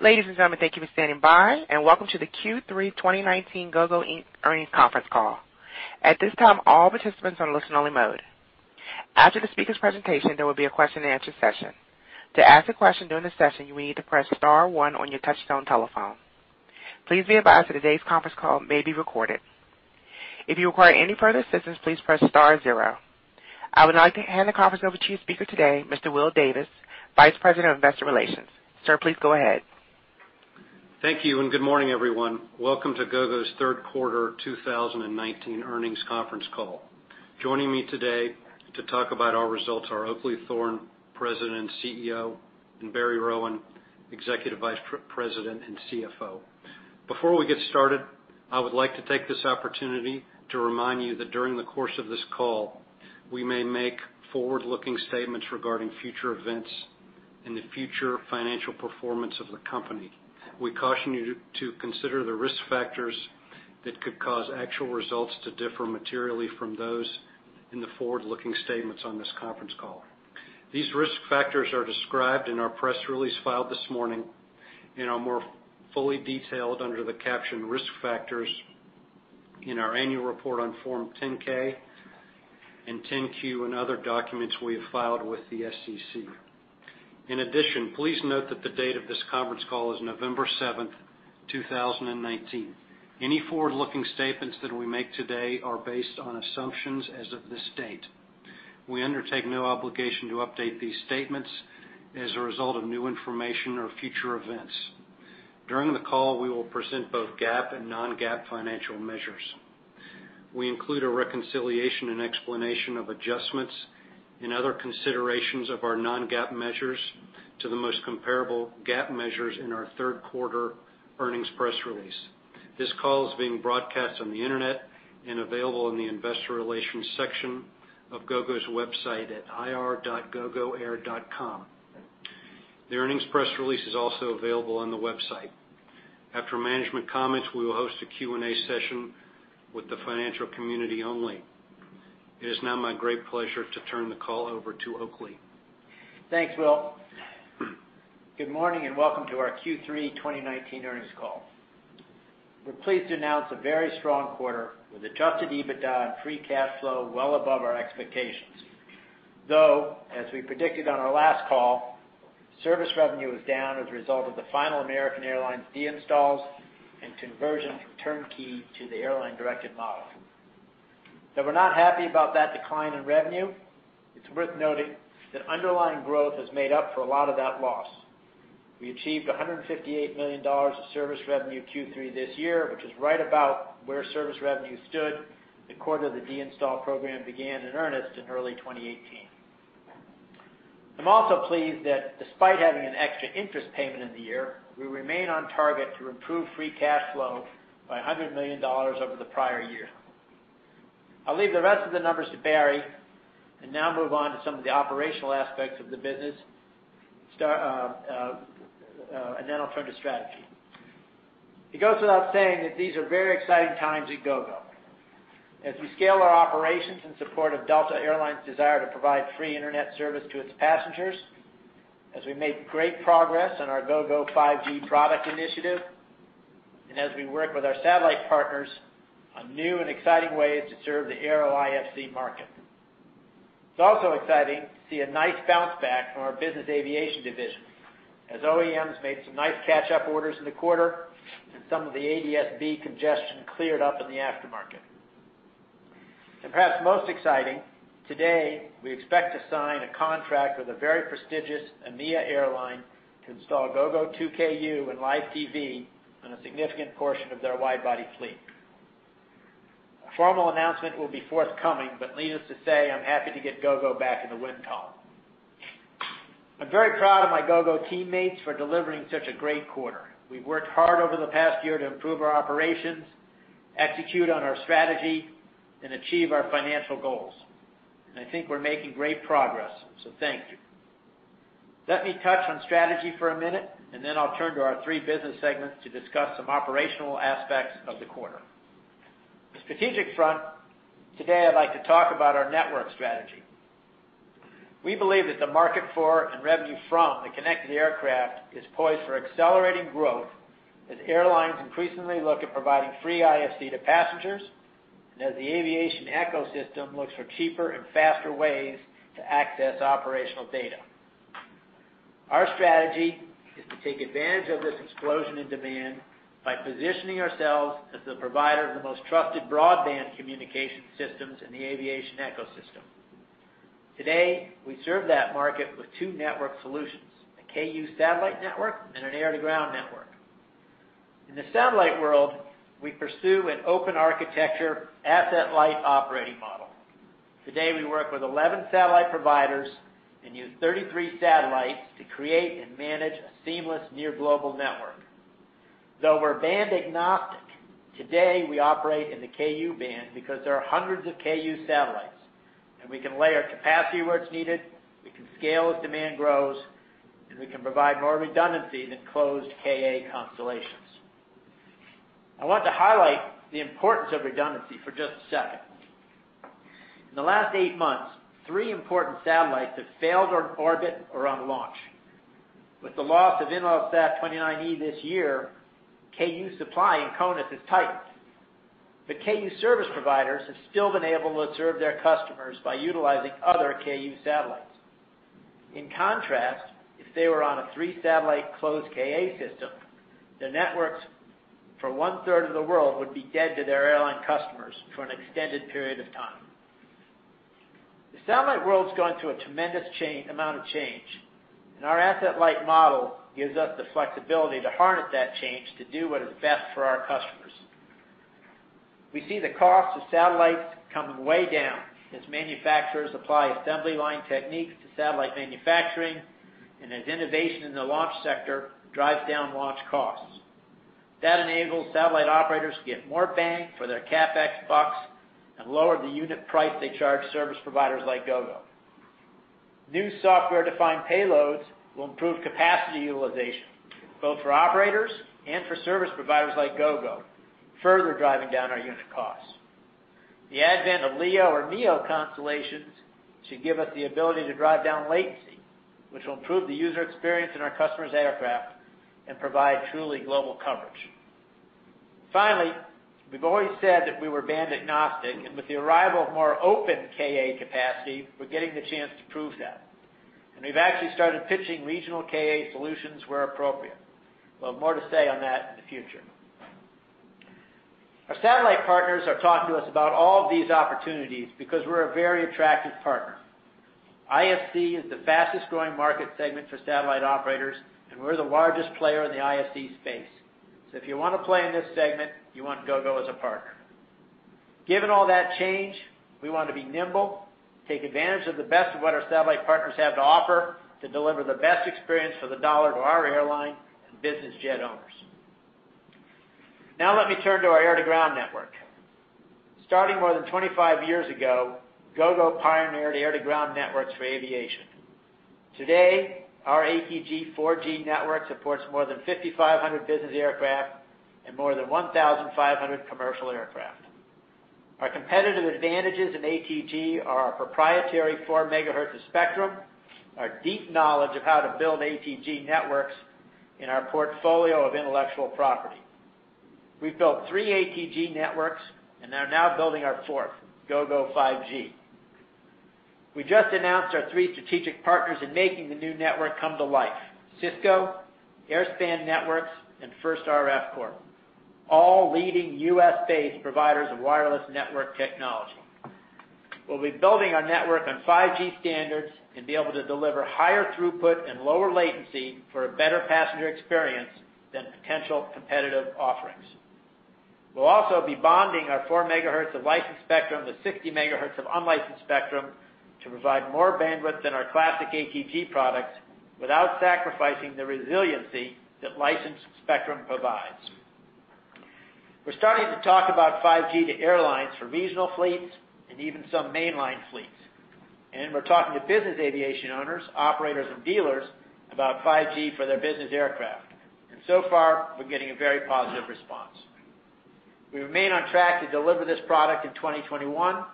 Ladies and gentlemen, thank you for standing by, and welcome to the Q3 2019 Gogo Inc Earnings Conference Call. At this time, all participants are in listen-only mode. After the speakers' presentation, there will be a question-and-answer session. To ask a question during the session, you will need to press star one on your touchtone telephone. Please be advised that today's conference call may be recorded. If you require any further assistance, please press star zero. I would now like to hand the conference over to your speaker today, Mr. Will Davis, Vice President of Investor Relations. Sir, please go ahead. Thank you, and good morning, everyone. Welcome to Gogo's Third Quarter 2019 Earnings Conference Call. Joining me today to talk about our results are Oakleigh Thorne, President and CEO, and Barry Rowan, Executive Vice President and CFO. Before we get started, I would like to take this opportunity to remind you that during the course of this call, we may make forward-looking statements regarding future events and the future financial performance of the company. We caution you to consider the risk factors that could cause actual results to differ materially from those in the forward-looking statements on this conference call. These risk factors are described in our press release filed this morning and are more fully detailed under the caption Risk Factors in our annual report on Form 10-K and 10-Q and other documents we have filed with the SEC. In addition, please note that the date of this conference call is November 7, 2019. Any forward-looking statements that we make today are based on assumptions as of this date. We undertake no obligation to update these statements as a result of new information or future events. During the call, we will present both GAAP and non-GAAP financial measures. We include a reconciliation and explanation of adjustments and other considerations of our non-GAAP measures to the most comparable GAAP measures in our third quarter earnings press release. This call is being broadcast on the Internet and available in the investor relations section of Gogo's website at ir.gogoair.com. The earnings press release is also available on the website. After management comments, we will host a Q&A session with the financial community only. It is now my great pleasure to turn the call over to Oakleigh. Thanks, Will. Good morning, and welcome to our Q3 2019 earnings call. We're pleased to announce a very strong quarter with adjusted EBITDA and free cash flow well above our expectations. As we predicted on our last call, service revenue was down as a result of the final American Airlines deinstalls and conversion from turnkey to the airline-directed model. We're not happy about that decline in revenue, it's worth noting that underlying growth has made up for a lot of that loss. We achieved $158 million of service revenue Q3 this year, which is right about where service revenue stood the quarter the deinstall program began in earnest in early 2018. I'm also pleased that despite having an extra interest payment in the year, we remain on target to improve free cash flow by $100 million over the prior year. I'll leave the rest of the numbers to Barry and now move on to some of the operational aspects of the business, and then I'll turn to strategy. It goes without saying that these are very exciting times at Gogo. As we scale our operations in support of Delta Air Lines' desire to provide free internet service to its passengers, as we make great progress on our Gogo 5G product initiative, and as we work with our satellite partners on new and exciting ways to serve the aero IFC market. It's also exciting to see a nice bounce back from our Business Aviation division, as OEMs made some nice catch-up orders in the quarter and some of the ADS-B congestion cleared up in the aftermarket. Perhaps most exciting, today, we expect to sign a contract with a very prestigious EMEA airline to install Gogo 2Ku and live TV on a significant portion of their wide-body fleet. A formal announcement will be forthcoming, but needless to say, I'm happy to get Gogo back in the win column. I'm very proud of my Gogo teammates for delivering such a great quarter. We've worked hard over the past year to improve our operations, execute on our strategy, and achieve our financial goals. I think we're making great progress, so thank you. Let me touch on strategy for a minute, and then I'll turn to our three business segments to discuss some operational aspects of the quarter. On the strategic front, today I'd like to talk about our network strategy. We believe that the market for and revenue from the connected aircraft is poised for accelerating growth as airlines increasingly look at providing free IFC to passengers and as the aviation ecosystem looks for cheaper and faster ways to access operational data. Our strategy is to take advantage of this explosion in demand by positioning ourselves as the provider of the most trusted broadband communication systems in the aviation ecosystem. Today, we serve that market with two network solutions, a Ku satellite network and an air-to-ground network. In the satellite world, we pursue an open architecture, asset-light operating model. Today, we work with 11 satellite providers and use 33 satellites to create and manage a seamless near global network. Though we're band agnostic, today we operate in the Ku-band because there are hundreds of Ku satellites, and we can layer capacity where it's needed, we can scale as demand grows, and we can provide more redundancy than closed Ka constellations. I want to highlight the importance of redundancy for just a second. In the last eight months, three important satellites have failed on orbit or on launch. With the loss of Intelsat 29e this year, Ku supply in CONUS has tightened. The Ku service providers have still been able to serve their customers by utilizing other Ku satellites. In contrast, if they were on a three satellite closed Ka system, the networks for 1/3 of the world would be dead to their airline customers for an extended period of time. The satellite world's going through a tremendous amount of change, and our asset-light model gives us the flexibility to harness that change to do what is best for our customers. We see the cost of satellites coming way down as manufacturers apply assembly line techniques to satellite manufacturing, and as innovation in the launch sector drives down launch costs. That enables satellite operators to get more bang for their CapEx bucks and lower the unit price they charge service providers like Gogo. New software-defined payloads will improve capacity utilization, both for operators and for service providers like Gogo, further driving down our unit costs. The advent of LEO or MEO constellations should give us the ability to drive down latency, which will improve the user experience in our customer's aircraft and provide truly global coverage. Finally, we've always said that we were band agnostic, and with the arrival of more open Ka capacity, we're getting the chance to prove that. We've actually started pitching regional Ka solutions where appropriate. We'll have more to say on that in the future. Our satellite partners are talking to us about all of these opportunities because we're a very attractive partner. IFC is the fastest growing market segment for satellite operators, and we're the largest player in the IFC space. If you want to play in this segment, you want Gogo as a partner. Given all that change, we want to be nimble, take advantage of the best of what our satellite partners have to offer to deliver the best experience for the dollar to our airline and business jet owners. Now let me turn to our air-to-ground network. Starting more than 25 years ago, Gogo pioneered air-to-ground networks for aviation. Today, our ATG 4G network supports more than 5,500 business aircraft and more than 1,500 commercial aircraft. Our competitive advantages in ATG are our proprietary 4 MHz of spectrum, our deep knowledge of how to build ATG networks, and our portfolio of intellectual property. We've built three ATG networks and are now building our fourth, Gogo 5G. We just announced our three strategic partners in making the new network come to life, Cisco, Airspan Networks, and FIRST RF Corp, all leading U.S.-based providers of wireless network technology. We'll be building our network on 5G standards and be able to deliver higher throughput and lower latency for a better passenger experience than potential competitive offerings. We'll also be bonding our 4 MHz of licensed spectrum with 60 MHz of unlicensed spectrum to provide more bandwidth than our classic ATG products without sacrificing the resiliency that licensed spectrum provides. We're starting to talk about 5G to airlines for regional fleets and even some mainline fleets. We're talking to business aviation owners, operators, and dealers about 5G for their business aircraft. So far, we're getting a very positive response. We remain on track to deliver this product in 2021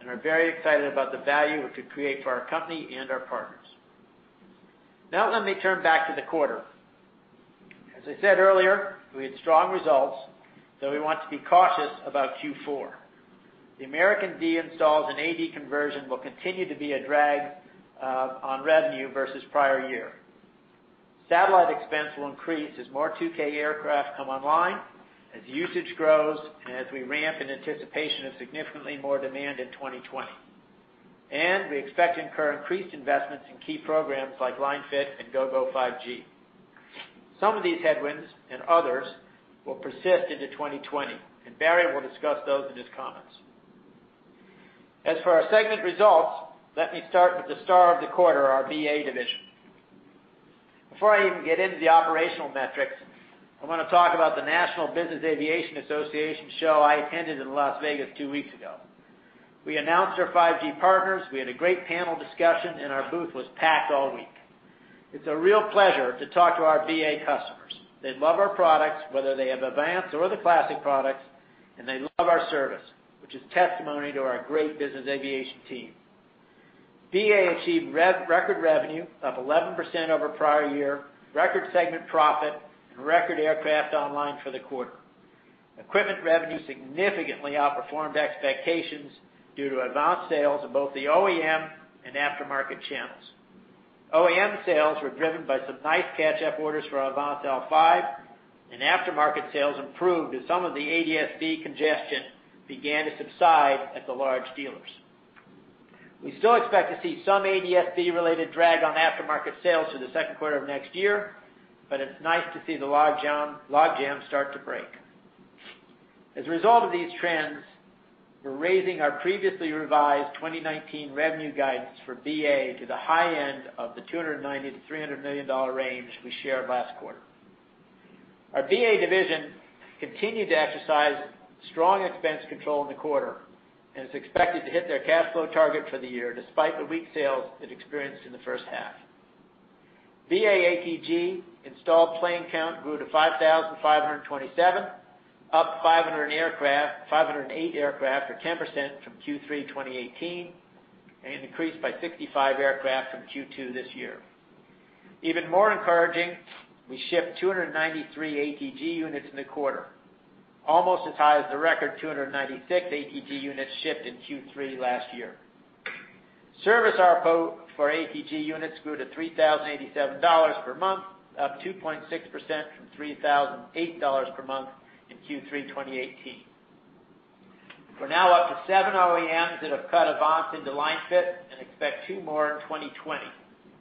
and are very excited about the value it could create for our company and our partners. Now let me turn back to the quarter. As I said earlier, we had strong results, though we want to be cautious about Q4. The American deinstalls and AD conversion will continue to be a drag on revenue versus prior year. Satellite expense will increase as more 2Ku aircraft come online, as usage grows, and as we ramp in anticipation of significantly more demand in 2020. We expect to incur increased investments in key programs like line-fit and Gogo 5G. Some of these headwinds and others will persist into 2020, and Barry will discuss those in his comments. As for our segment results, let me start with the star of the quarter, our BA division. Before I even get into the operational metrics, I want to talk about the National Business Aviation Association show I attended in Las Vegas two weeks ago. We announced our 5G partners, we had a great panel discussion, and our booth was packed all week. It's a real pleasure to talk to our BA customers. They love our products, whether they have AVANCE or the classic products, and they love our service, which is testimony to our great Business Aviation team. BA achieved record revenue of 11% over prior year, record segment profit, and record aircraft online for the quarter. Equipment revenue significantly outperformed expectations due to AVANCE sales in both the OEM and aftermarket channels. OEM sales were driven by some nice catch-up orders for AVANCE L5. Aftermarket sales improved as some of the ADS-B congestion began to subside at the large dealers. We still expect to see some ADS-B related drag on aftermarket sales through the second quarter of next year. It's nice to see the logjam start to break. As a result of these trends, we're raising our previously revised 2019 revenue guidance for BA to the high end of the $290 million-$300 million range we shared last quarter. Our BA division continued to exercise strong expense control in the quarter and is expected to hit their cash flow target for the year, despite the weak sales it experienced in the first half. BA ATG installed plane count grew to 5,527, up 508 aircraft, or 10% from Q3 2018, and increased by 65 aircraft from Q2 this year. Even more encouraging, we shipped 293 ATG units in the quarter, almost as high as the record 296 ATG units shipped in Q3 last year. Service ARPU for ATG units grew to $3,087 per month, up 2.6% from $3,008 per month in Q3 2018. We're now up to seven OEMs that have cut AVANCE into line-fit and expect two more in 2020,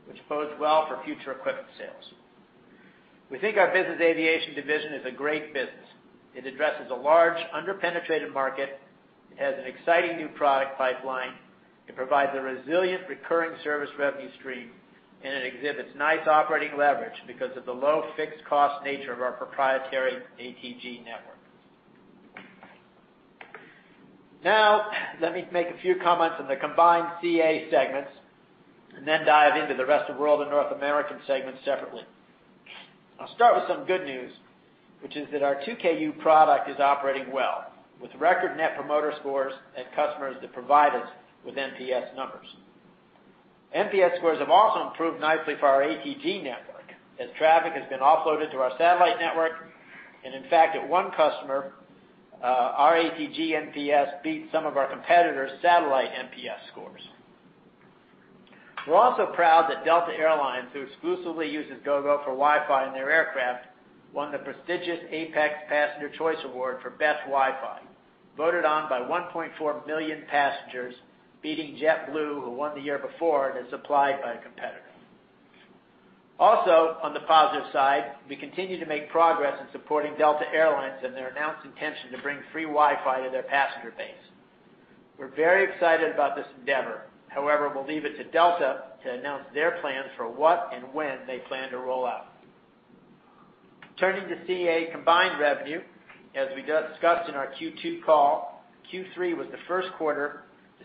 which bodes well for future equipment sales. We think our Business Aviation division is a great business. It addresses a large under-penetrated market. It has an exciting new product pipeline. It provides a resilient recurring service revenue stream. It exhibits nice operating leverage because of the low fixed cost nature of our proprietary ATG network. Let me make a few comments on the combined CA segments, and then dive into the Rest of World and North American segments separately. I'll start with some good news, which is that our 2Ku product is operating well, with record net promoter scores and customers that provide us with NPS numbers. NPS scores have also improved nicely for our ATG network as traffic has been offloaded to our satellite network. In fact, at one customer, our ATG NPS beat some of our competitors' satellite NPS scores. We're also proud that Delta Air Lines, who exclusively uses Gogo for Wi-Fi in their aircraft, won the prestigious APEX Passenger Choice Award for best Wi-Fi, voted on by 1.4 million passengers, beating JetBlue, who won the year before and is supplied by a competitor. On the positive side, we continue to make progress in supporting Delta Air Lines in their announced intention to bring free Wi-Fi to their passenger base. We're very excited about this endeavor. However, we'll leave it to Delta to announce their plans for what and when they plan to roll out. Turning to CA combined revenue, as we discussed in our Q2 call, Q3 was the first quarter to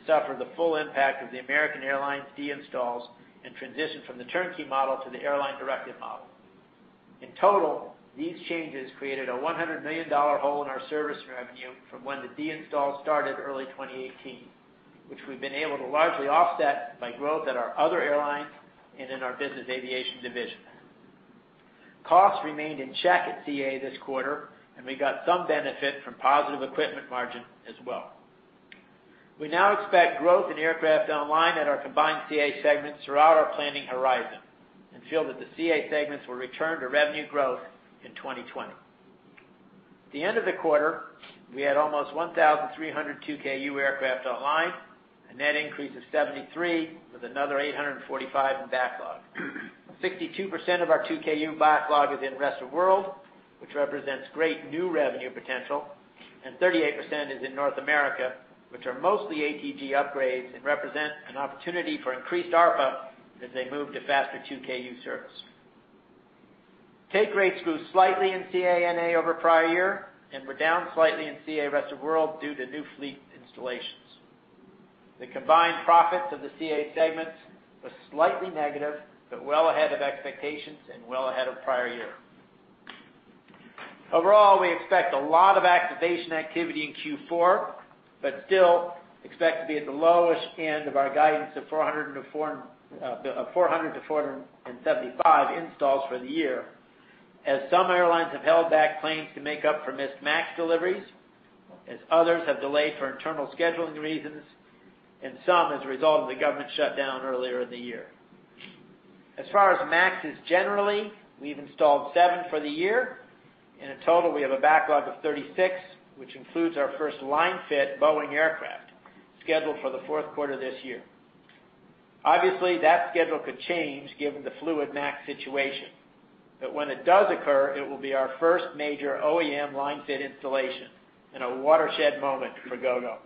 suffer the full impact of the American Airlines deinstalls and transition from the turnkey model to the airline-directed model. In total, these changes created a $100 million hole in our service revenue from when the deinstalls started early 2018, which we've been able to largely offset by growth at our other airlines and in our Business Aviation division. Costs remained in check at CA this quarter, and we got some benefit from positive equipment margin as well. We now expect growth in aircraft online at our combined CA segments throughout our planning horizon and feel that the CA segments will return to revenue growth in 2020. At the end of the quarter, we had almost 1,300 2Ku aircraft online, a net increase of 73, with another 845 in backlog. 62% of our 2Ku backlog is in Rest of World, which represents great new revenue potential, and 38% is in North America, which are mostly ATG upgrades and represent an opportunity for increased ARPA as they move to faster 2Ku service. Take rates grew slightly in CA-NA over prior year and were down slightly in CA Rest of World due to new fleet installations. The combined profits of the CA segments were slightly negative, but well ahead of expectations and well ahead of prior year. Overall, we expect a lot of activation activity in Q4, but still expect to be at the lowest end of our guidance of 400 to 475 installs for the year, as some airlines have held back planes to make up for missed MAX deliveries, as others have delayed for internal scheduling reasons, and some as a result of the government shutdown earlier in the year. As far as MAXes generally, we've installed seven for the year. In a total, we have a backlog of 36, which includes our first line-fit Boeing aircraft, scheduled for the fourth quarter of this year. Obviously, that schedule could change given the fluid MAX situation. But when it does occur, it will be our first major OEM line-fit installation and a watershed moment for Gogo.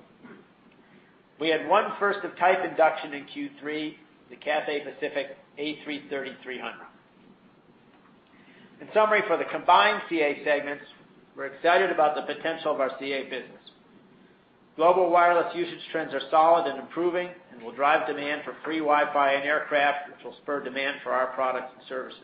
We had one first of type induction in Q3, the Cathay Pacific A330-300. In summary, for the combined CA segments, we're excited about the potential of our CA business. Global wireless usage trends are solid and improving and will drive demand for free Wi-Fi in aircraft, which will spur demand for our products and services,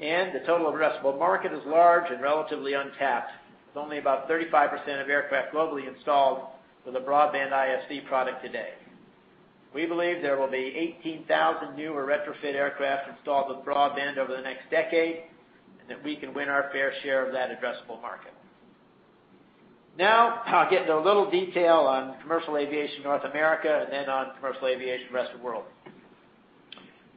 and the total addressable market is large and relatively untapped, with only about 35% of aircraft globally installed with a broadband IFC product today. We believe there will be 18,000 new or retrofit aircraft installed with broadband over the next decade, and that we can win our fair share of that addressable market. Now I'll get into a little detail on Commercial Aviation North America and then on Commercial Aviation Rest of World.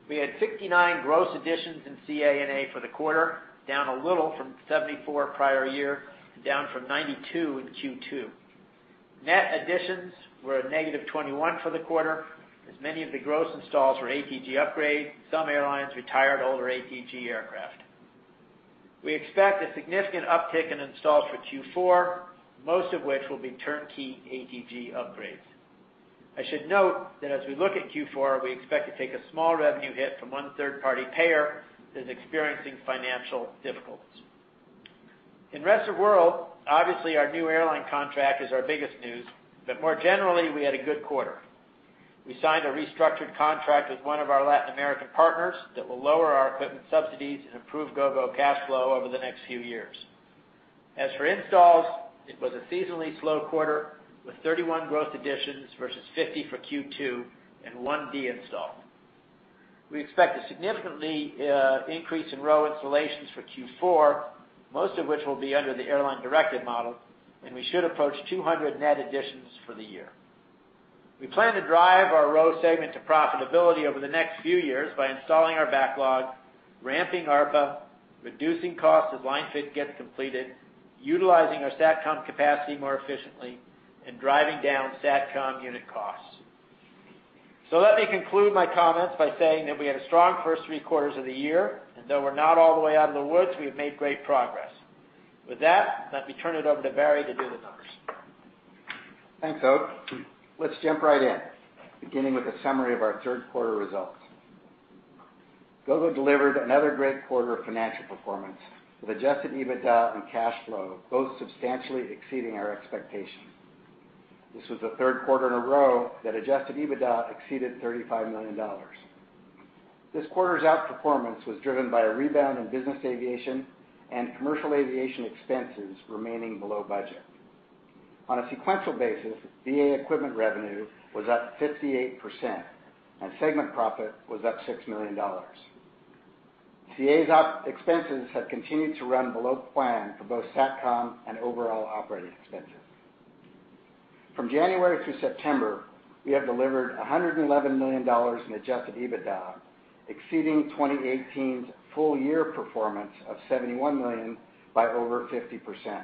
We had 69 gross additions in CA-NA for the quarter, down a little from 74 prior year and down from 92 in Q2. Net additions were a negative 21 for the quarter, as many of the gross installs were ATG upgrades. Some airlines retired older ATG aircraft. We expect a significant uptick in installs for Q4, most of which will be turnkey ATG upgrades. I should note that as we look at Q4, we expect to take a small revenue hit from one third-party payer that is experiencing financial difficulties. In Rest of World, obviously our new airline contract is our biggest news, but more generally, we had a good quarter. We signed a restructured contract with one of our Latin American partners that will lower our equipment subsidies and improve Gogo cash flow over the next few years. As for installs, it was a seasonally slow quarter with 31 gross additions versus 50 for Q2 and one de-install. We expect a significant increase in ROW installations for Q4, most of which will be under the airline-directed model, and we should approach 200 net additions for the year. We plan to drive our ROW segment to profitability over the next few years by installing our backlog, ramping ARPA, reducing costs as line-fit gets completed, utilizing our Satcom capacity more efficiently, and driving down Satcom unit costs. Let me conclude my comments by saying that we had a strong first three quarters of the year, and though we're not all the way out of the woods, we have made great progress. With that, let me turn it over to Barry to do the numbers. Thanks, Oak. Let's jump right in, beginning with a summary of our third quarter results. Gogo delivered another great quarter of financial performance, with adjusted EBITDA and cash flow both substantially exceeding our expectations. This was the third quarter in a row that adjusted EBITDA exceeded $35 million. This quarter's outperformance was driven by a rebound in Business Aviation and Commercial Aviation expenses remaining below budget. On a sequential basis, BA equipment revenue was up 58%, and segment profit was up $6 million. CA's OpEx have continued to run below plan for both Satcom and overall operating expenses. From January through September, we have delivered $111 million in adjusted EBITDA, exceeding 2018's full-year performance of $71 million by over 50%.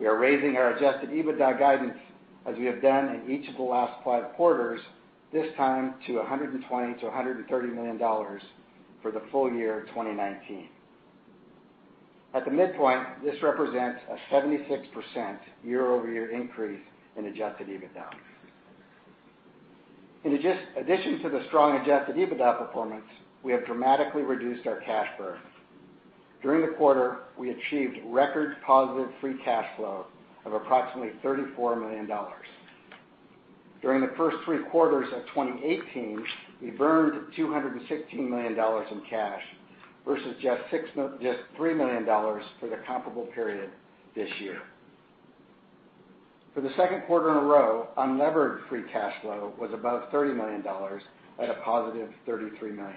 We are raising our adjusted EBITDA guidance, as we have done in each of the last five quarters, this time to $120 million-$130 million for the full year 2019. At the midpoint, this represents a 76% year-over-year increase in adjusted EBITDA. In addition to the strong adjusted EBITDA performance, we have dramatically reduced our cash burn. During the quarter, we achieved record positive free cash flow of approximately $34 million. During the first three quarters of 2018, we burned $216 million in cash versus just $3 million for the comparable period this year. For the second quarter in a row, unlevered free cash flow was above $30 million at a positive $33 million.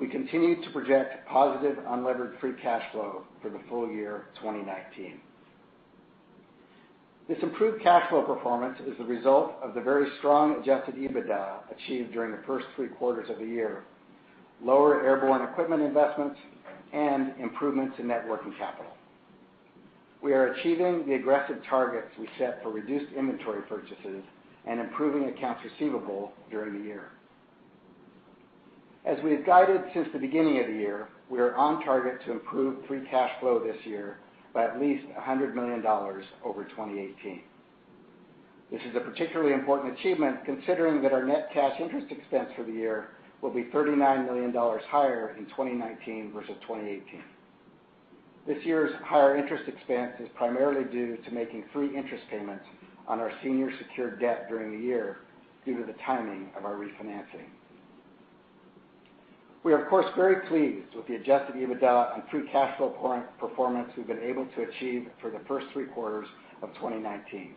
We continue to project positive unlevered free cash flow for the full year 2019. This improved cash flow performance is the result of the very strong adjusted EBITDA achieved during the first three quarters of the year, lower airborne equipment investments, and improvements in net working capital. We are achieving the aggressive targets we set for reduced inventory purchases and improving accounts receivable during the year. As we have guided since the beginning of the year, we are on target to improve free cash flow this year by at least $100 million over 2018. This is a particularly important achievement considering that our net cash interest expense for the year will be $39 million higher in 2019 versus 2018. This year's higher interest expense is primarily due to making three interest payments on our senior secured debt during the year due to the timing of our refinancing. We are, of course, very pleased with the adjusted EBITDA and free cash flow performance we've been able to achieve for the first three quarters of 2019.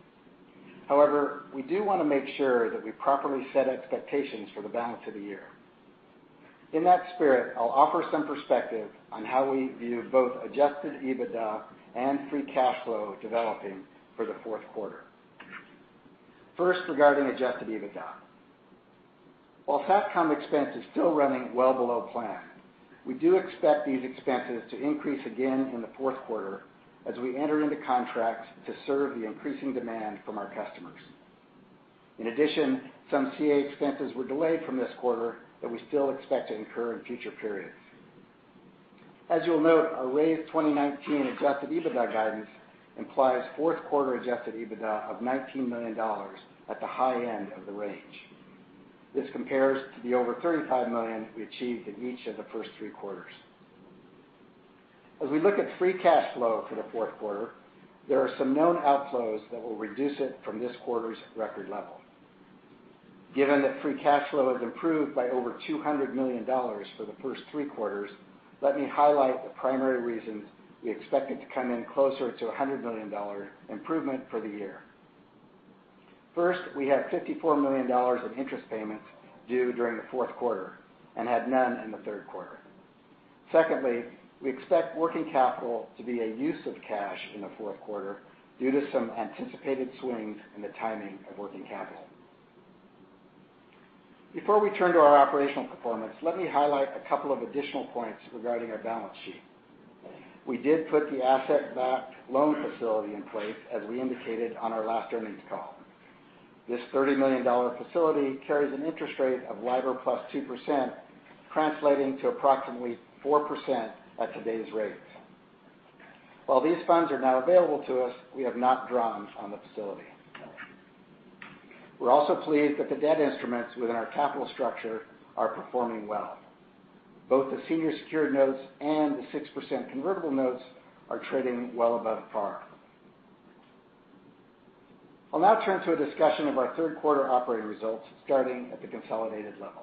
We do want to make sure that we properly set expectations for the balance of the year. In that spirit, I'll offer some perspective on how we view both adjusted EBITDA and free cash flow developing for the fourth quarter. Regarding adjusted EBITDA. While Satcom expense is still running well below plan, we do expect these expenses to increase again in the fourth quarter as we enter into contracts to serve the increasing demand from our customers. Some CA expenses were delayed from this quarter that we still expect to incur in future periods. As you'll note, our raised 2019 adjusted EBITDA guidance implies fourth quarter adjusted EBITDA of $19 million at the high end of the range. This compares to the over $35 million we achieved in each of the first three quarters. As we look at free cash flow for the fourth quarter, there are some known outflows that will reduce it from this quarter's record level. Given that free cash flow has improved by over $200 million for the first three quarters, let me highlight the primary reasons we expect it to come in closer to $100 million improvement for the year. First, we have $54 million in interest payments due during the fourth quarter and had none in the third quarter. Secondly, we expect working capital to be a use of cash in the fourth quarter due to some anticipated swings in the timing of working capital. Before we turn to our operational performance, let me highlight a couple of additional points regarding our balance sheet. We did put the asset-backed loan facility in place as we indicated on our last earnings call. This $30 million facility carries an interest rate of LIBOR plus 2%, translating to approximately 4% at today's rates. While these funds are now available to us, we have not drawn on the facility. We're also pleased that the debt instruments within our capital structure are performing well. Both the senior secured notes and the 6% convertible notes are trading well above par. I'll now turn to a discussion of our third quarter operating results, starting at the consolidated level.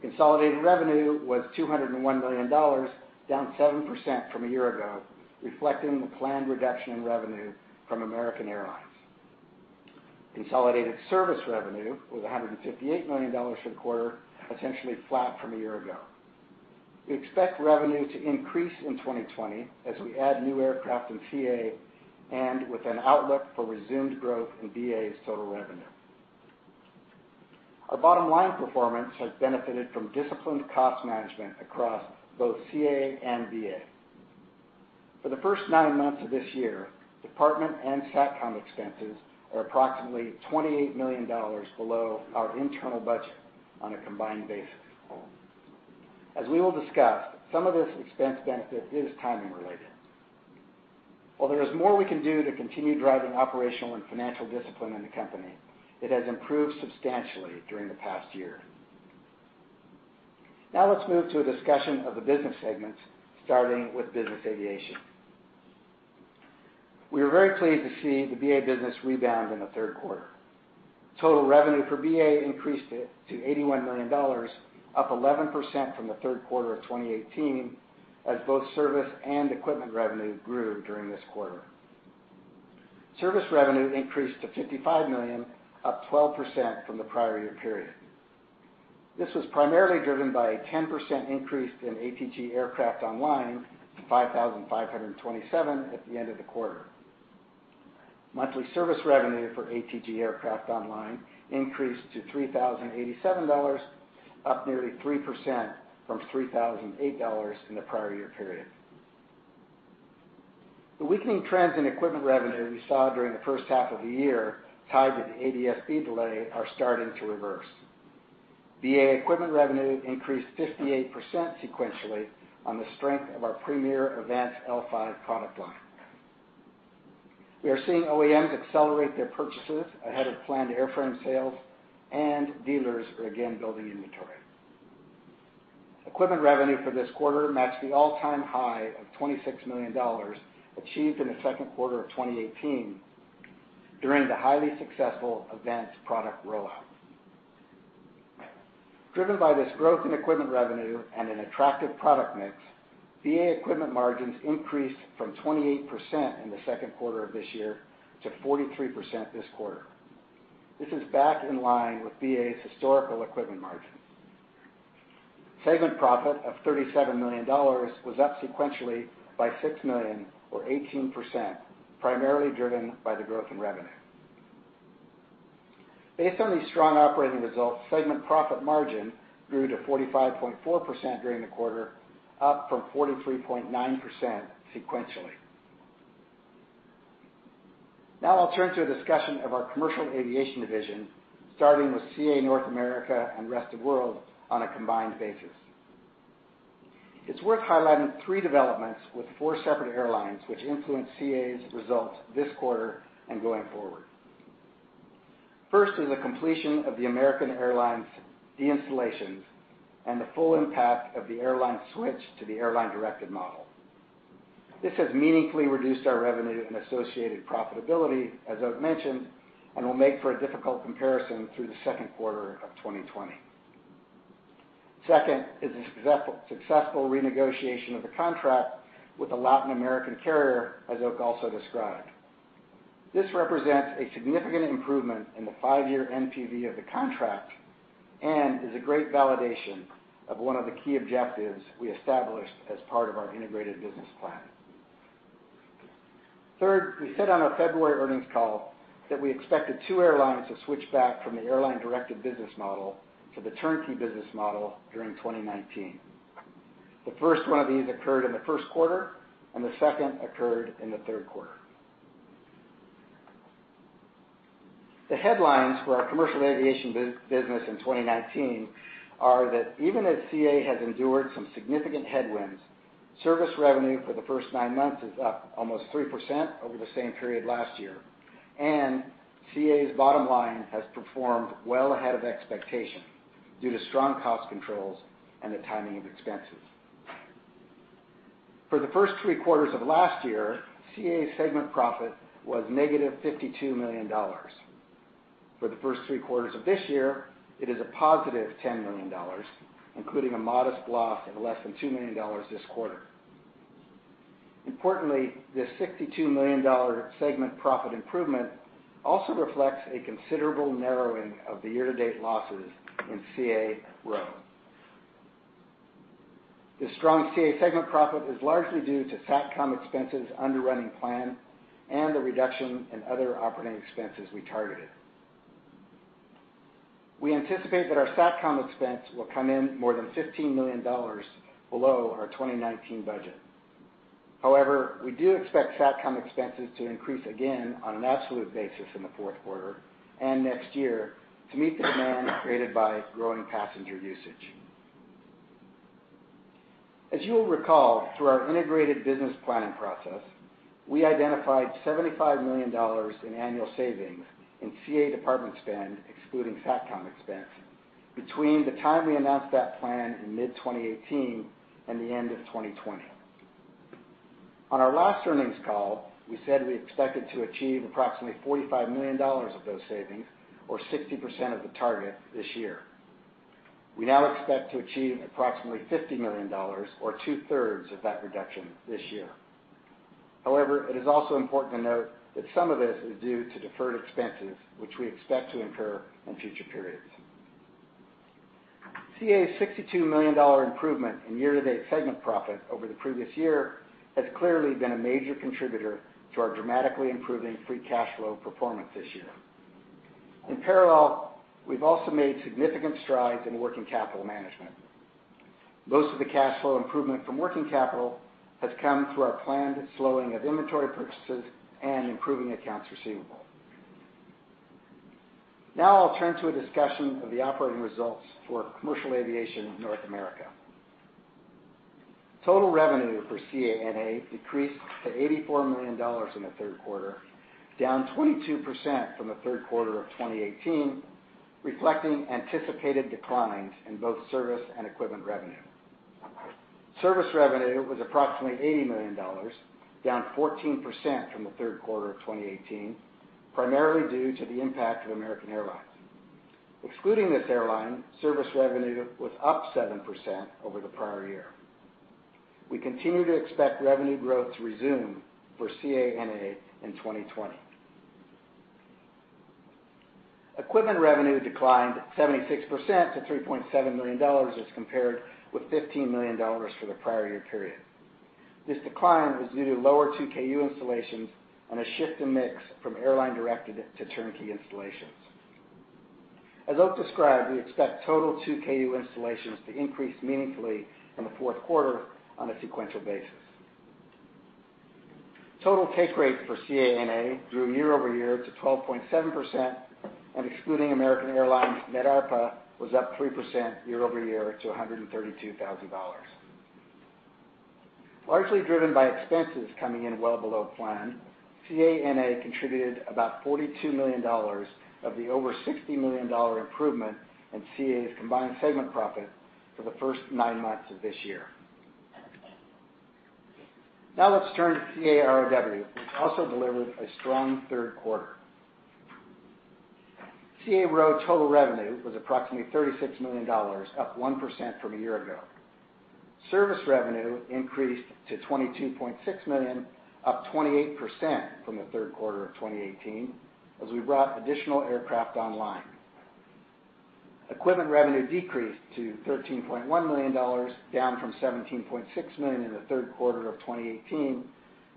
Consolidated revenue was $201 million, down 7% from a year ago, reflecting the planned reduction in revenue from American Airlines. Consolidated service revenue was $158 million for the quarter, essentially flat from a year ago. We expect revenue to increase in 2020 as we add new aircraft in CA, and with an outlook for resumed growth in BA's total revenue. Our bottom line performance has benefited from disciplined cost management across both CA and BA. For the first nine months of this year, department and Satcom expenses are approximately $28 million below our internal budget on a combined basis. As we will discuss, some of this expense benefit is timing related. While there is more we can do to continue driving operational and financial discipline in the company, it has improved substantially during the past year. Now let's move to a discussion of the business segments, starting with Business Aviation. We are very pleased to see the BA business rebound in the third quarter. Total revenue for BA increased to $81 million, up 11% from the third quarter of 2018, as both service and equipment revenue grew during this quarter. Service revenue increased to $55 million, up 12% from the prior year period. This was primarily driven by a 10% increase in ATG Aircraft online to 5,527 at the end of the quarter. Monthly service revenue for ATG Aircraft online increased to $3,087, up nearly 3% from $3,008 in the prior year period. The weakening trends in equipment revenue we saw during the first half of the year tied to the ADS-B delay are starting to reverse. BA equipment revenue increased 58% sequentially on the strength of our premier AVANCE L5 product line. We are seeing OEMs accelerate their purchases ahead of planned airframe sales, and dealers are again building inventory. Equipment revenue for this quarter matched the all-time high of $26 million achieved in the second quarter of 2018 during the highly successful AVANCE product rollout. Driven by this growth in equipment revenue and an attractive product mix, BA equipment margins increased from 28% in the second quarter of this year to 43% this quarter. This is back in line with BA's historical equipment margin. Segment profit of $37 million was up sequentially by $6 million or 18%, primarily driven by the growth in revenue. Based on these strong operating results, segment profit margin grew to 45.4% during the quarter, up from 43.9% sequentially. Now I'll turn to a discussion of our Commercial Aviation division, starting with CA North America and Rest of World on a combined basis. It's worth highlighting three developments with four separate airlines, which influence CA's results this quarter and going forward. First is the completion of the American Airlines de-installations and the full impact of the airline switch to the airline-directed model. This has meaningfully reduced our revenue and associated profitability, as Oak mentioned, and will make for a difficult comparison through the second quarter of 2020. Second is the successful renegotiation of the contract with a Latin American carrier, as Oak also described. This represents a significant improvement in the five-year NPV of the contract and is a great validation of one of the key objectives we established as part of our integrated business plan. Third, we said on our February earnings call that we expected two airlines to switch back from the airline-directed business model to the turnkey business model during 2019. The first one of these occurred in the first quarter, and the second occurred in the third quarter. The headlines for our Commercial Aviation business in 2019 are that even as CA has endured some significant headwinds, service revenue for the first nine months is up almost 3% over the same period last year. CA's bottom line has performed well ahead of expectation due to strong cost controls and the timing of expenses. For the first three quarters of last year, CA's segment profit was negative $52 million. For the first three quarters of this year, it is a positive $10 million, including a modest loss of less than $2 million this quarter. Importantly, this $62 million segment profit improvement also reflects a considerable narrowing of the year-to-date losses in CA-ROW. The strong CA segment profit is largely due to Satcom expenses underrunning plan and the reduction in other operating expenses we targeted. We anticipate that our Satcom expense will come in more than $15 million below our 2019 budget. However, we do expect Satcom expenses to increase again on an absolute basis in the fourth quarter and next year to meet the demand created by growing passenger usage. As you will recall, through our integrated business planning process, we identified $75 million in annual savings in CA department spend, excluding Satcom expense, between the time we announced that plan in mid-2018 and the end of 2020. On our last earnings call, we said we expected to achieve approximately $45 million of those savings, or 60% of the target this year. We now expect to achieve approximately $50 million, or 2/3 of that reduction this year. However, it is also important to note that some of this is due to deferred expenses, which we expect to incur in future periods. CA's $62 million improvement in year-to-date segment profit over the previous year has clearly been a major contributor to our dramatically improving free cash flow performance this year. In parallel, we've also made significant strides in working capital management. Most of the cash flow improvement from working capital has come through our planned slowing of inventory purchases and improving accounts receivable. Now I'll turn to a discussion of the operating results for Commercial Aviation North America. Total revenue for CA-NA decreased to $84 million in the third quarter, down 22% from the third quarter of 2018, reflecting anticipated declines in both service and equipment revenue. Service revenue was approximately $80 million, down 14% from the third quarter of 2018, primarily due to the impact of American Airlines. Excluding this airline, service revenue was up 7% over the prior year. We continue to expect revenue growth to resume for CA-NA in 2020. Equipment revenue declined 76% to $3.7 million as compared with $15 million for the prior year period. This decline was due to lower 2Ku installations and a shift in mix from airline-directed to turnkey installations. As Oak described, we expect total 2Ku installations to increase meaningfully in the fourth quarter on a sequential basis. Excluding American Airlines, net ARPA was up 3% year-over-year to $132,000. Largely driven by expenses coming in well below plan, CA-NA contributed about $42 million of the over $60 million improvement in CA's combined segment profit for the first nine months of this year. Let's turn to CA-ROW, which also delivered a strong third quarter. CA-ROW total revenue was approximately $36 million, up 1% from a year ago. Service revenue increased to $22.6 million, up 28% from the third quarter of 2018, as we brought additional aircraft online. Equipment revenue decreased to $13.1 million, down from $17.6 million in the third quarter of 2018,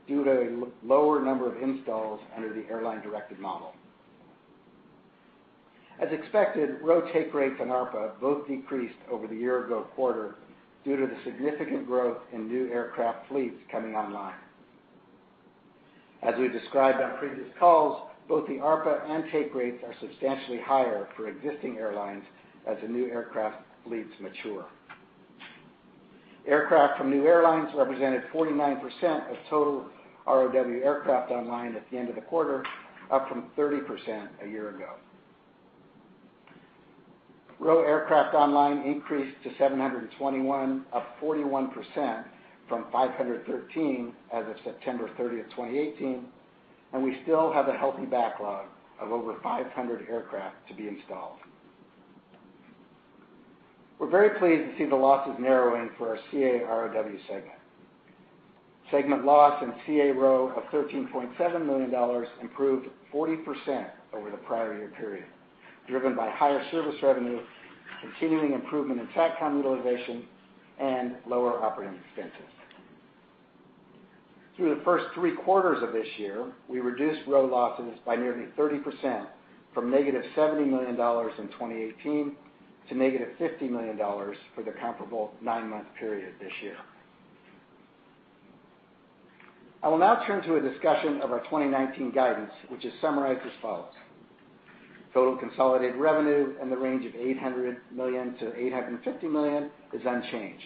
due to a lower number of installs under the airline-directed model. As expected, ROW take rate and ARPA both decreased over the year-ago quarter due to the significant growth in new aircraft fleets coming online. As we described on previous calls, both the ARPA and take rates are substantially higher for existing airlines as the new aircraft fleets mature. Aircraft from new airlines represented 49% of total ROW aircraft online at the end of the quarter, up from 30% a year ago. ROW aircraft online increased to 721, up 41% from 513 as of September 30, 2018. We still have a healthy backlog of over 500 aircraft to be installed. We're very pleased to see the losses narrowing for our CA-ROW segment. Segment loss in CA-ROW of $13.7 million improved 40% over the prior year period, driven by higher service revenue, continuing improvement in Satcom utilization, and lower operating expenses. Through the first three quarters of this year, we reduced ROW losses by nearly 30%, from -$70 million in 2018 to -$50 million for the comparable nine-month period this year. I will now turn to a discussion of our 2019 guidance, which is summarized as follows. Total consolidated revenue in the range of $800 million-$850 million is unchanged.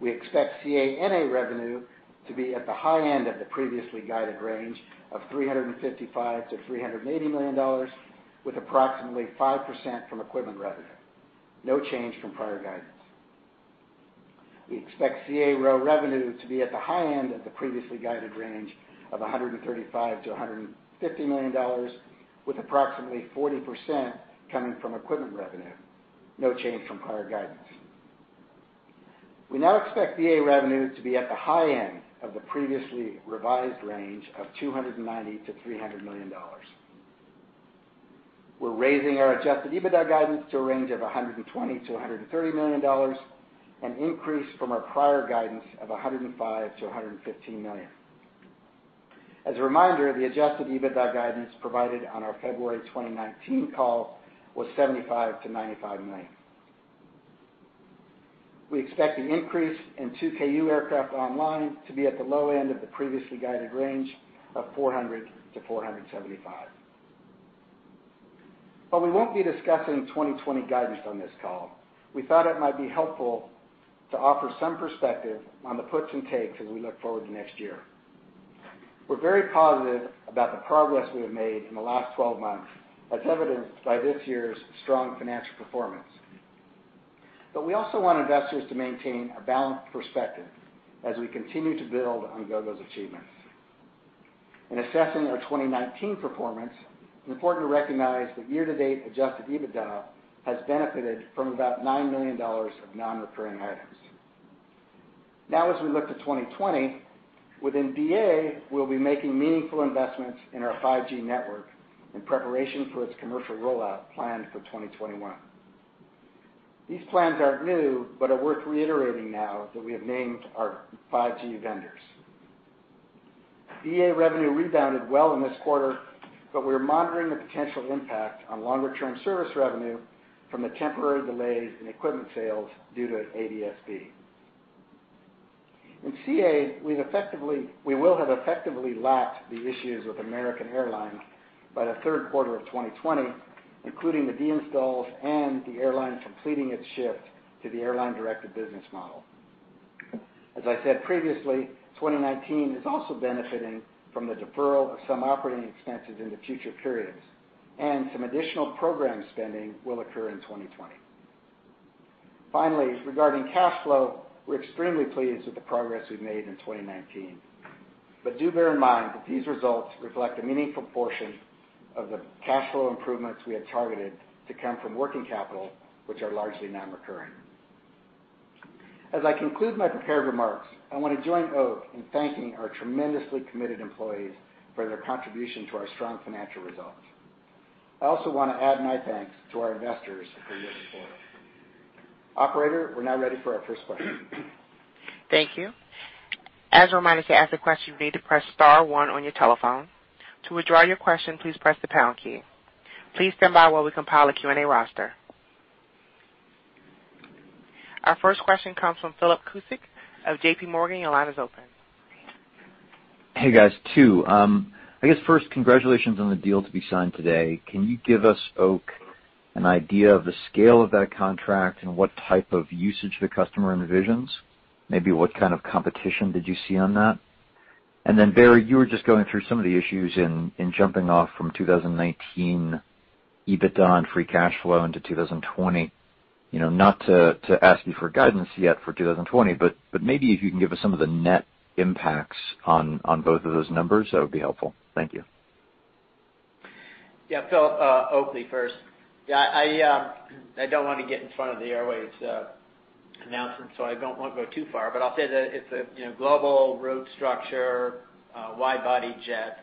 We expect CA-NA revenue to be at the high end of the previously guided range of $355 million-$380 million, with approximately 5% from equipment revenue. No change from prior guidance. We expect CA-ROW revenue to be at the high end of the previously guided range of $135 million-$150 million, with approximately 40% coming from equipment revenue. No change from prior guidance. We now expect BA revenue to be at the high end of the previously revised range of $290 million-$300 million. We're raising our adjusted EBITDA guidance to a range of $120 million-$130 million, an increase from our prior guidance of $105 million-$115 million. As a reminder, the adjusted EBITDA guidance provided on our February 2019 call was $75 million-$95 million. We expect an increase in 2Ku aircraft online to be at the low end of the previously guided range of 400-475. We won't be discussing 2020 guidance on this call, we thought it might be helpful to offer some perspective on the puts and takes as we look forward to next year. We're very positive about the progress we have made in the last 12 months, as evidenced by this year's strong financial performance. We also want investors to maintain a balanced perspective as we continue to build on Gogo's achievements. In assessing our 2019 performance, it's important to recognize that year-to-date adjusted EBITDA has benefited from about $9 million of non-recurring items. As we look to 2020, within BA, we'll be making meaningful investments in our 5G network in preparation for its commercial rollout planned for 2021. These plans aren't new, but are worth reiterating now that we have named our 5G vendors. BA revenue rebounded well in this quarter, but we are monitoring the potential impact on longer-term service revenue from the temporary delays in equipment sales due to ADS-B. In CA, we will have effectively lapped the issues with American Airlines by the third quarter of 2020, including the deinstalls and the airline completing its shift to the airline-directed business model. As I said previously, 2019 is also benefiting from the deferral of some operating expenses into future periods, and some additional program spending will occur in 2020. Finally, regarding cash flow, we're extremely pleased with the progress we've made in 2019. Do bear in mind that these results reflect a meaningful portion of the cash flow improvements we had targeted to come from working capital, which are largely non-recurring. As I conclude my prepared remarks, I want to join Oak in thanking our tremendously committed employees for their contribution to our strong financial results. I also want to add my thanks to our investors for your support. Operator, we're now ready for our first question. Thank you. As a reminder, to ask a question, you need to press star one on your telephone. To withdraw your question, please press the pound key. Please stand by while we compile a Q&A roster. Our first question comes from Philip Cusick of JPMorgan. Your line is open. Hey, guys. Congratulations on the deal to be signed today. Can you give us, Oak, an idea of the scale of that contract and what type of usage the customer envisions? Maybe what kind of competition did you see on that? Barry, you were just going through some of the issues in jumping off from 2019 EBITDA and free cash flow into 2020. Not to ask you for guidance yet for 2020, maybe if you can give us some of the net impacts on both of those numbers, that would be helpful. Thank you. Philip, Oakleigh first. I don't want to get in front of the airways announcement, so I don't want to go too far, but I'll say that it's a global route structure, wide-body jets.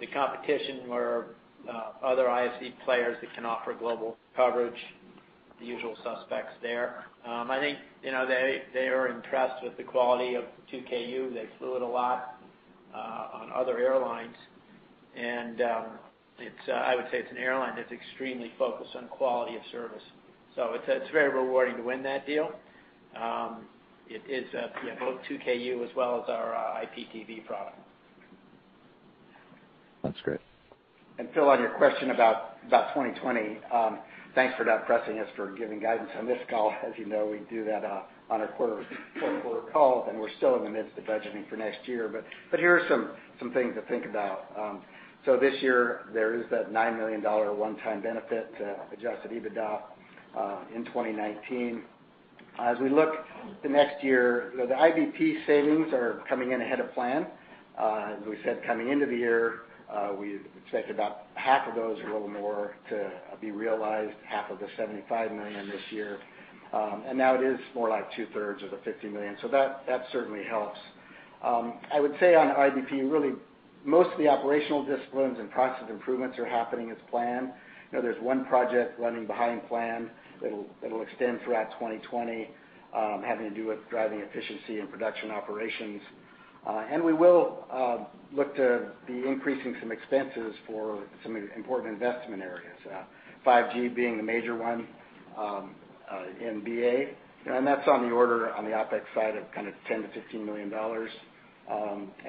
The competition were other ISP players that can offer global coverage, the usual suspects there. I think they are impressed with the quality of 2Ku. They flew it a lot on other airlines, and I would say it's an airline that's extremely focused on quality of service. It's very rewarding to win that deal. It's both 2Ku as well as our IPTV product. That's great. Phil, on your question about 2020, thanks for not pressing us for giving guidance on this call. As you know, we do that on our quarter calls, and we're still in the midst of budgeting for next year. Here are some things to think about. This year, there is that $9 million one-time benefit to adjusted EBITDA in 2019. As we look to next year, the IBP savings are coming in ahead of plan. As we said, coming into the year, we expected about half of those or a little more to be realized, half of the $75 million this year. Now it is more like 2/3 of the $50 million. That certainly helps. I would say on IBP, really, most of the operational disciplines and process improvements are happening as planned. There's one project running behind plan that'll extend throughout 2020, having to do with driving efficiency in production operations. We will look to be increasing some expenses for some important investment areas, 5G being the major one in BA. That's on the order on the OpEx side of kind of $10 million-$15 million.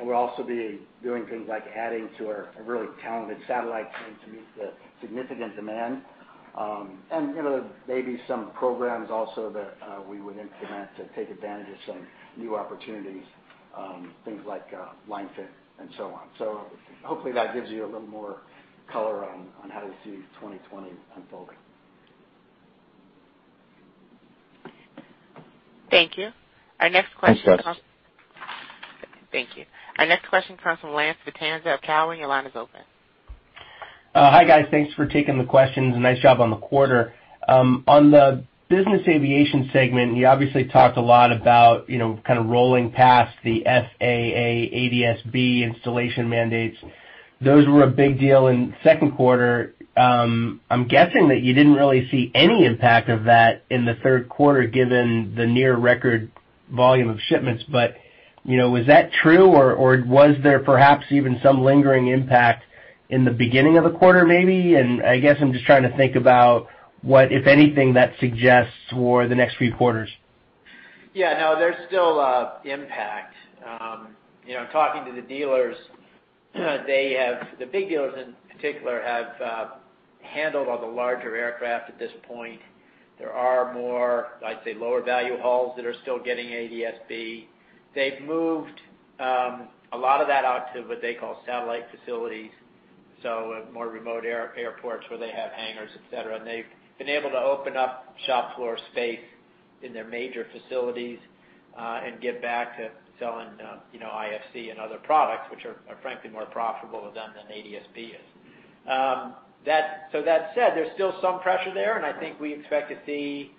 We'll also be doing things like adding to our really talented satellite team to meet the significant demand. Maybe some programs also that we would implement to take advantage of some new opportunities, things like line-fit and so on. Hopefully, that gives you a little more color on how to see 2020 unfolding. Thank you. Our next question comes- Thanks, guys. Thank you. Our next question comes from Lance Vitanza of Cowen. Your line is open. Hi, guys. Thanks for taking the questions, and nice job on the quarter. On the Business Aviation segment, you obviously talked a lot about kind of rolling past the FAA ADS-B installation mandates. Those were a big deal in the second quarter. I'm guessing that you didn't really see any impact of that in the third quarter, given the near record volume of shipments. Was that true, or was there perhaps even some lingering impact in the beginning of the quarter maybe? I guess I'm just trying to think about what, if anything, that suggests for the next few quarters. Yeah. No, there's still impact. Talking to the dealers, the big dealers in particular, have handled all the larger aircraft at this point. There are more, I'd say, lower-value hauls that are still getting ADS-B. They've moved a lot of that out to what they call satellite facilities, so more remote airports where they have hangars, et cetera. They've been able to open up shop floor space in their major facilities, and get back to selling IFC and other products, which are frankly more profitable than ADS-B is. That said, there's still some pressure there, and I think we expect to see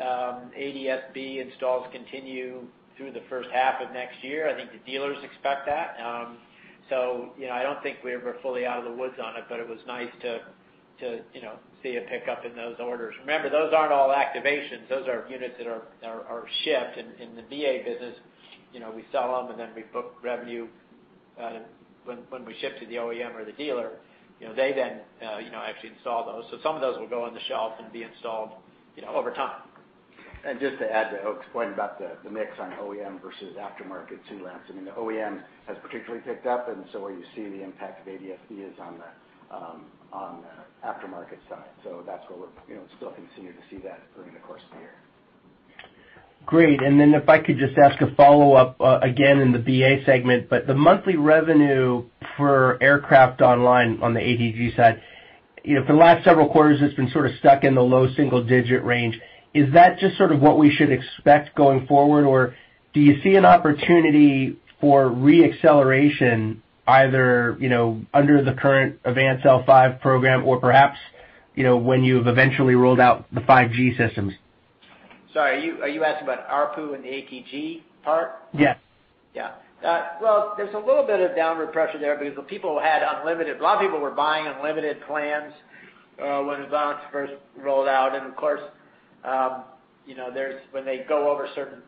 ADS-B installs continue through the first half of next year. I think the dealers expect that. I don't think we're ever fully out of the woods on it, but it was nice to see a pickup in those orders. Remember, those aren't all activations. Those are units that are shipped. In the BA business, we sell them, and then we book revenue when we ship to the OEM or the dealer. They actually install those. Some of those will go on the shelf and be installed over time. Just to add to Oak's point about the mix on OEM versus aftermarket too, Lance. The OEM has particularly picked up, and so where you see the impact of ADS-B is on the aftermarket side. That's where we'll still continue to see that through the course of the year. Great. If I could just ask a follow-up, again, in the BA segment. The monthly revenue for aircraft online on the ATG side, for the last several quarters, it's been sort of stuck in the low single-digit range. Is that just sort of what we should expect going forward, or do you see an opportunity for re-acceleration either under the current AVANCE L5 program or perhaps, when you've eventually rolled out the 5G systems? Sorry, are you asking about ARPU in the ATG part? Yes. Yeah. Well, there's a little bit of downward pressure there because a lot of people were buying unlimited plans when AVANCE first rolled out, and of course, when they go over certain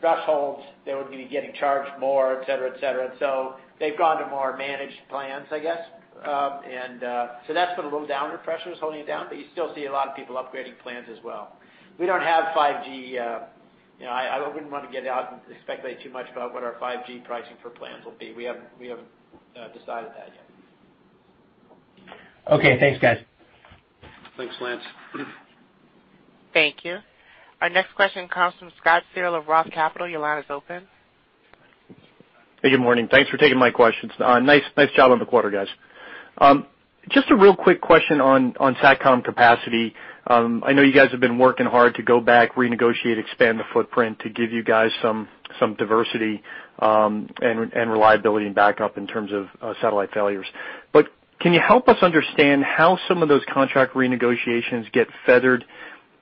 thresholds, they would be getting charged more, et cetera. They've gone to more managed plans, I guess. That's been a little downward pressure, is holding it down. You still see a lot of people upgrading plans as well. We don't have 5G. I wouldn't want to get out and speculate too much about what our 5G pricing for plans will be. We haven't decided that yet. Okay. Thanks, guys. Thanks, Lance. Thank you. Our next question comes from Scott Searle of Roth Capital. Your line is open. Good morning. Thanks for taking my questions. Nice job on the quarter, guys. Just a real quick question on Satcom capacity. I know you guys have been working hard to go back, renegotiate, expand the footprint to give you guys some diversity, and reliability and backup in terms of satellite failures. Can you help us understand how some of those contract renegotiations get feathered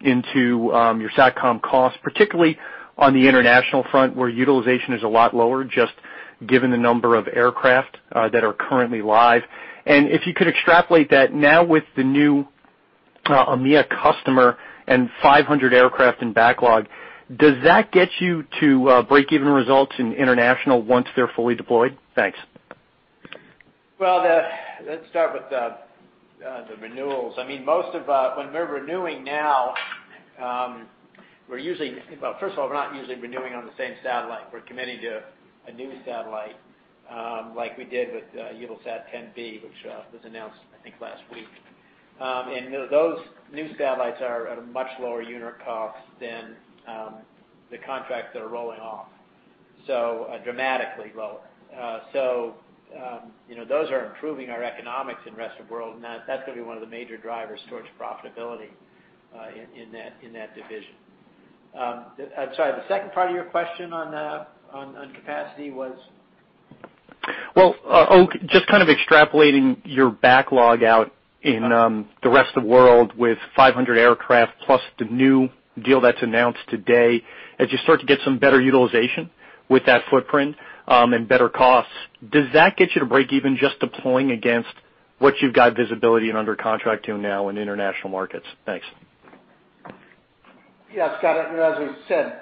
into your Satcom costs, particularly on the international front, where utilization is a lot lower, just given the number of aircraft that are currently live? If you could extrapolate that now with the new EMEA customer and 500 aircraft in backlog, does that get you to breakeven results in international once they're fully deployed? Thanks. Well, let's start with the renewals. When we're renewing now, first of all, we're not usually renewing on the same satellite. We're committing to a new satellite, like we did with EUTELSAT 10B, which was announced, I think, last week. Those new satellites are at a much lower unit cost than the contracts that are rolling off. Dramatically lower. Those are improving our economics in Rest of World, and that's going to be one of the major drivers towards profitability, in that division. I'm sorry. The second part of your question on capacity was? Well, Oak, just kind of extrapolating your backlog out in the Rest of World with 500 aircraft plus the new deal that's announced today. As you start to get some better utilization with that footprint, and better costs, does that get you to breakeven just deploying against what you've got visibility and under contract to now in international markets? Thanks. Scott. As we've said,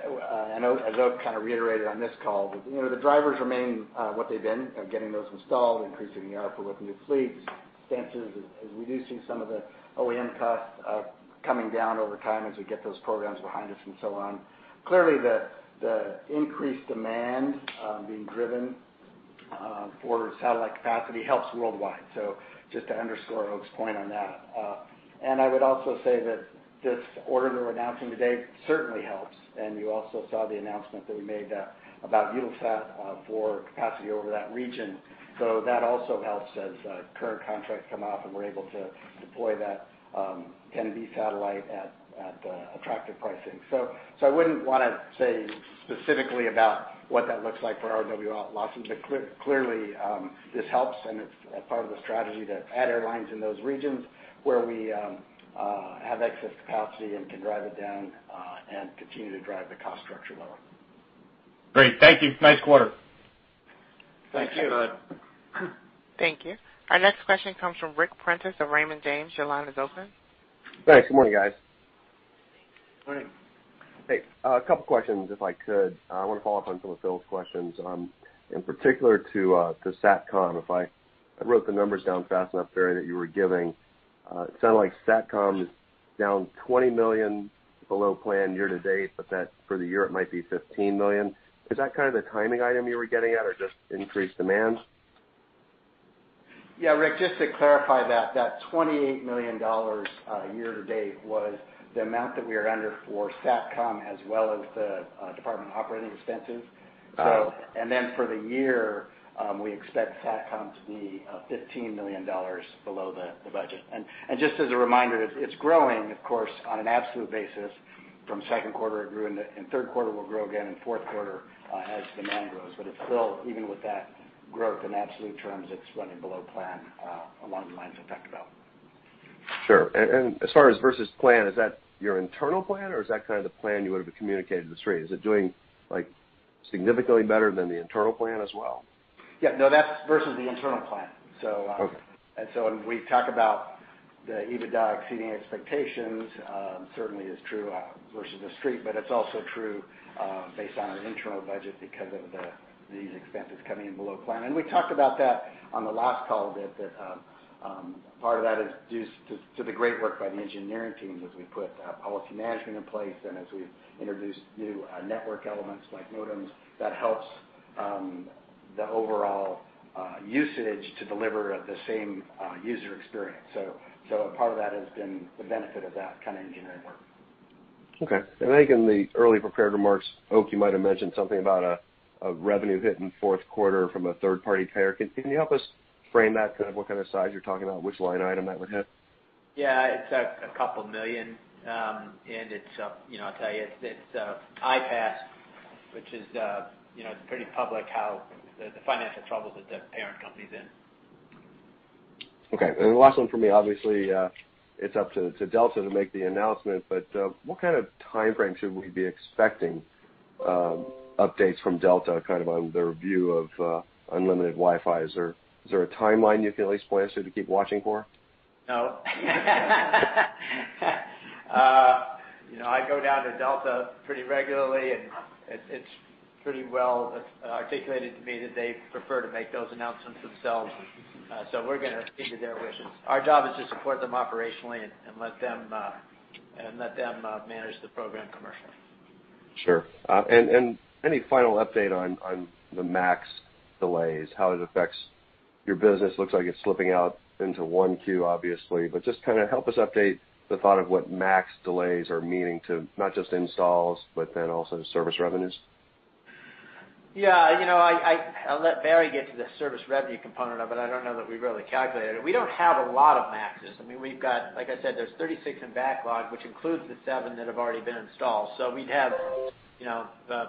and as Oak kind of reiterated on this call, the drivers remain what they've been. Getting those installed, increasing the output with new fleets, stances, is reducing some of the OEM costs coming down over time as we get those programs behind us, and so on. Clearly, the increased demand being driven for satellite capacity helps worldwide. Just to underscore Oak's point on that. I would also say that this order we're announcing today certainly helps, and you also saw the announcement that we made about Eutelsat for capacity over that region. That also helps as current contracts come off, and we're able to deploy that 10B satellite at attractive pricing. I wouldn't want to say specifically about what that looks like for ROW losses, but clearly, this helps, and it's part of the strategy to add airlines in those regions where we have excess capacity and can drive it down, and continue to drive the cost structure lower. Great. Thank you. Nice quarter. Thank you. Thanks, Scott. Thank you. Our next question comes from Ric Prentiss of Raymond James. Your line is open. Thanks. Good morning, guys. Morning. Hey. A couple questions, if I could. I want to follow up on some of Phil's questions, in particular to Satcom. If I wrote the numbers down fast enough, Barry, that you were giving. It sounded like Satcom is down $20 million below plan year to date, but that for the year it might be $15 million. Is that the timing item you were getting at or just increased demand? Yeah, Ric, just to clarify that $28 million year to date was the amount that we are under for Satcom as well as the department operating expenses. Oh. For the year, we expect Satcom to be $15 million below the budget. Just as a reminder, it's growing, of course, on an absolute basis from second quarter it grew, and third quarter it will grow again, and fourth quarter as demand grows. It's still, even with that growth in absolute terms, it's running below plan along the lines I've talked about. Sure. As far as versus plan, is that your internal plan or is that the plan you would've communicated to the Street? Is it doing significantly better than the internal plan as well? Yeah. No, that's versus the internal plan. Okay. When we talk about the EBITDA exceeding expectations, certainly is true versus the Street, but it's also true based on an internal budget because of these expenses coming in below plan. We talked about that on the last call, that part of that is due to the great work by the engineering teams as we put policy management in place and as we introduce new network elements like modems, that helps the overall usage to deliver the same user experience. Part of that has been the benefit of that kind of engineering work. Okay. I think in the early prepared remarks, Oak, you might've mentioned something about a revenue hit in fourth quarter from a third-party carrier. Can you help us frame that? What kind of size you're talking about? Which line item that would hit? Yeah. It's a couple million. I'll tell you, it's iPass, which is pretty public how the financial troubles that the parent company's in. Okay. The last one from me, obviously, it's up to Delta to make the announcement, but what kind of timeframe should we be expecting updates from Delta on their view of unlimited Wi-Fi? Is there a timeline you can at least point us to keep watching for? No. I go down to Delta pretty regularly. It's pretty well articulated to me that they prefer to make those announcements themselves. We're going to cede to their wishes. Our job is to support them operationally and let them manage the program commercially. Sure. Any final update on the MAX delays, how it affects your business? Looks like it's slipping out into 1Q, obviously, but just kind of help us update the thought of what MAX delays are meaning to not just installs, but then also service revenues. Yeah. I'll let Barry get to the service revenue component of it. I don't know that we've really calculated it. We don't have a lot of MAXes. Like I said, there's 36 in backlog, which includes the seven that have already been installed. We'd have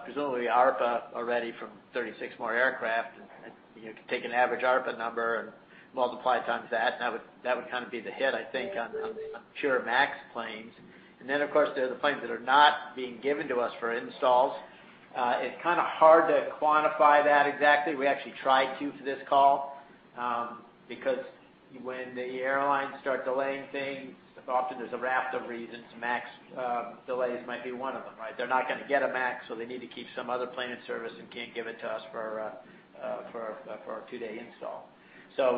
presumably ARPA already from 36 more aircraft, and you can take an average ARPA number and multiply it times that, and that would be the hit, I think, on pure MAX planes. Of course, there are the planes that are not being given to us for installs. It's kind of hard to quantify that exactly. We actually tried to for this call. When the airlines start delaying things, often there's a raft of reasons. MAX delays might be one of them, right? They're not going to get a MAX, so they need to keep some other plane in service and can't give it to us for a two-day install.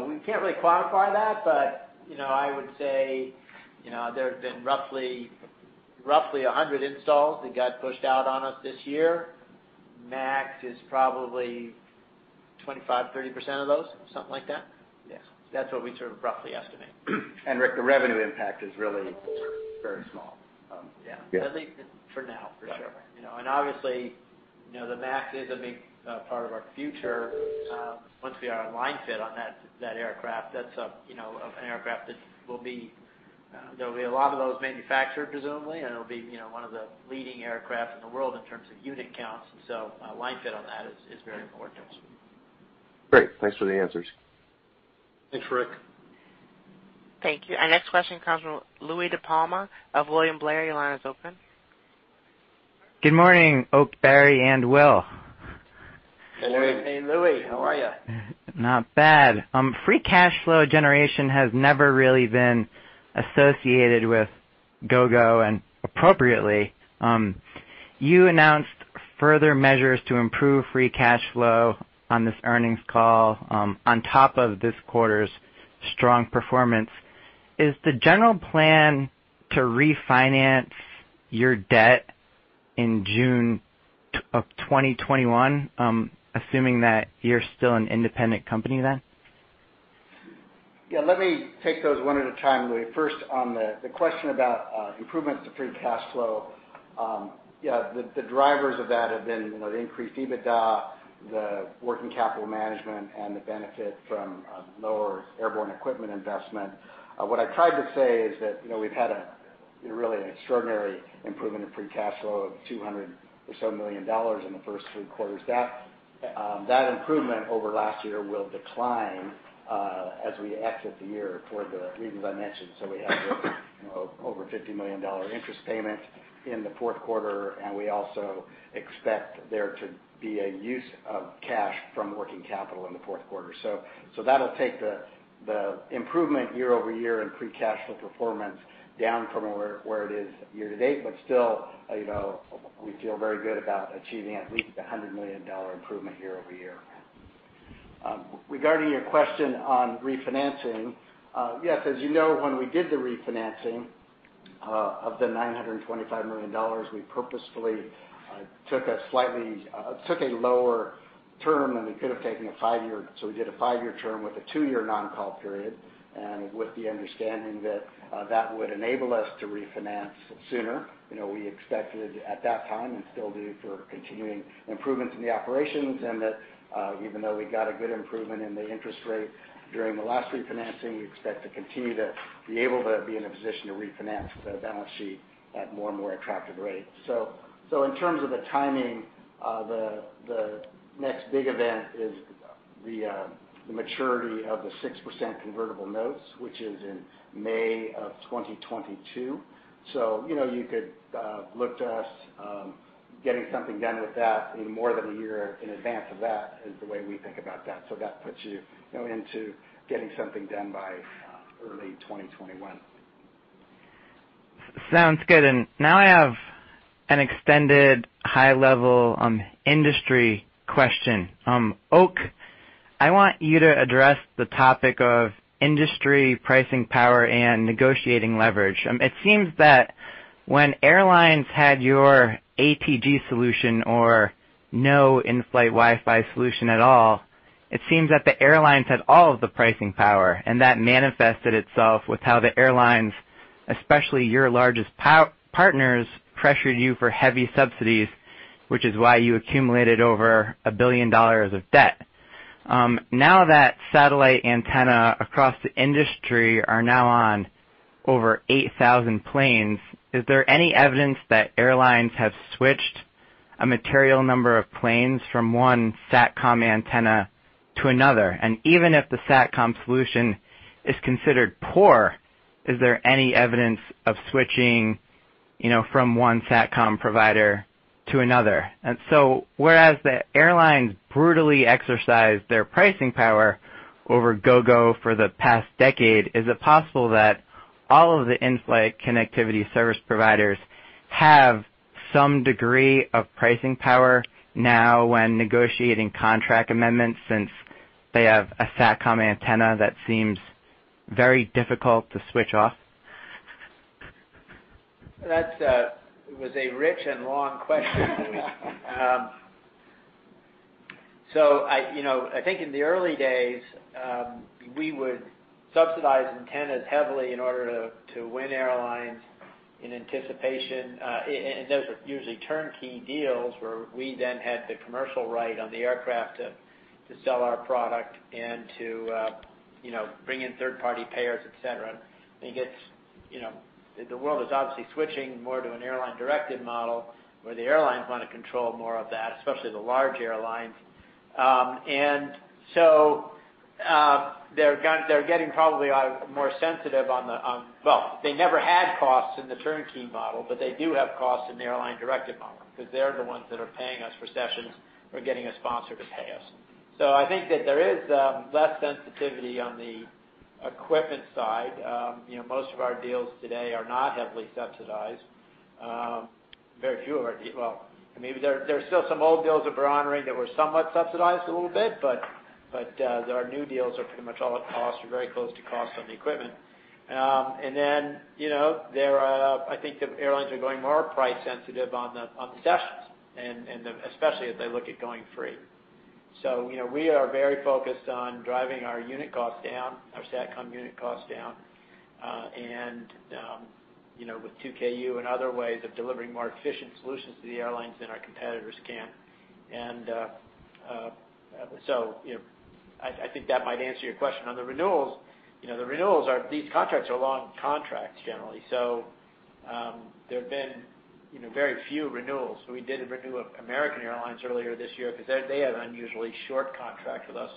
We can't really quantify that, but I would say there have been roughly 100 installs that got pushed out on us this year. MAX is probably 25%, 30% of those, something like that. Yes. That's what we sort of roughly estimate. Ric, the revenue impact is really very small. Yeah. At least for now, for sure. Right. Obviously, the MAX is a big part of our future. Once we are line-fit on that aircraft, that's an aircraft that there will be a lot of those manufactured, presumably, and it'll be one of the leading aircraft in the world in terms of unit counts. A line-fit on that is very important to us. Great. Thanks for the answers. Thanks, Ric. Thank you. Our next question comes from Louie DiPalma of William Blair. Your line is open. Good morning, Oak, Barry, and Will. Hey, Louie. Hey, Louie. How are you? Not bad. Free cash flow generation has never really been associated with Gogo, and appropriately. You announced further measures to improve free cash flow on this earnings call, on top of this quarter's strong performance. Is the general plan to refinance your debt in June of 2021, assuming that you're still an independent company then? Let me take those one at a time, Louie. First on the question about improvements to free cash flow. The drivers of that have been the increased EBITDA, the working capital management, and the benefit from lower airborne equipment investment. What I tried to say is that we've had a really extraordinary improvement in free cash flow of $200 million or so in the first three quarters. That improvement over last year will decline as we exit the year for the reasons I mentioned. We have over $50 million interest payment in the fourth quarter, and we also expect there to be a use of cash from working capital in the fourth quarter. That'll take the improvement year-over-year in free cash flow performance down from where it is year to date. Still, we feel very good about achieving at least a $100 million improvement year-over-year. Regarding your question on refinancing. Yes, as you know, when we did the refinancing of the $925 million, we purposefully took a lower term than we could have taken a five-year. We did a five-year term with a two-year non-call period, and with the understanding that that would enable us to refinance sooner. We expected at that time, and still do, for continuing improvements in the operations, and that even though we got a good improvement in the interest rate during the last refinancing, we expect to continue to be able to be in a position to refinance the balance sheet at more and more attractive rates. In terms of the timing, the next big event is the maturity of the 6% convertible notes, which is in May of 2022. You could look to us getting something done with that in more than a year in advance of that, is the way we think about that. That puts you into getting something done by early 2021. Sounds good. Now I have an extended high-level industry question. Oak, I want you to address the topic of industry pricing power and negotiating leverage. It seems that when airlines had your ATG solution or no in-flight Wi-Fi solution at all, it seems that the airlines had all of the pricing power, and that manifested itself with how the airlines, especially your largest partners, pressured you for heavy subsidies, which is why you accumulated over $1 billion of debt. Now that satellite antenna across the industry are now on over 8,000 planes, is there any evidence that airlines have switched a material number of planes from one Satcom antenna to another? Even if the Satcom solution is considered poor, is there any evidence of switching from one Satcom provider to another? Whereas the airlines brutally exercise their pricing power over Gogo for the past decade, is it possible that all of the in-flight connectivity service providers have some degree of pricing power now when negotiating contract amendments, since they have a Satcom antenna that seems very difficult to switch off? That was a rich and long question. I think in the early days, we would subsidize antennas heavily in order to win airlines in anticipation. Those were usually turnkey deals where we then had the commercial right on the aircraft to sell our product and to bring in third-party payers, et cetera. The world is obviously switching more to an airline-directed model where the airlines want to control more of that, especially the large airlines. Well, they never had costs in the turnkey model, but they do have costs in the airline-directed model because they're the ones that are paying us for sessions or getting a sponsor to pay us. I think that there is less sensitivity on the equipment side. Most of our deals today are not heavily subsidized. Very few of our, well, maybe there's still some old deals that we're honoring that were somewhat subsidized a little bit, but our new deals are pretty much all at cost or very close to cost on the equipment. I think the airlines are going more price sensitive on the sessions, especially as they look at going free. We are very focused on driving our unit cost down, our Satcom unit cost down, and with 2Ku and other ways of delivering more efficient solutions to the airlines than our competitors can. I think that might answer your question. On the renewals, these contracts are long contracts generally. There have been very few renewals. We did a renew of American Airlines earlier this year because they had an unusually short contract with us.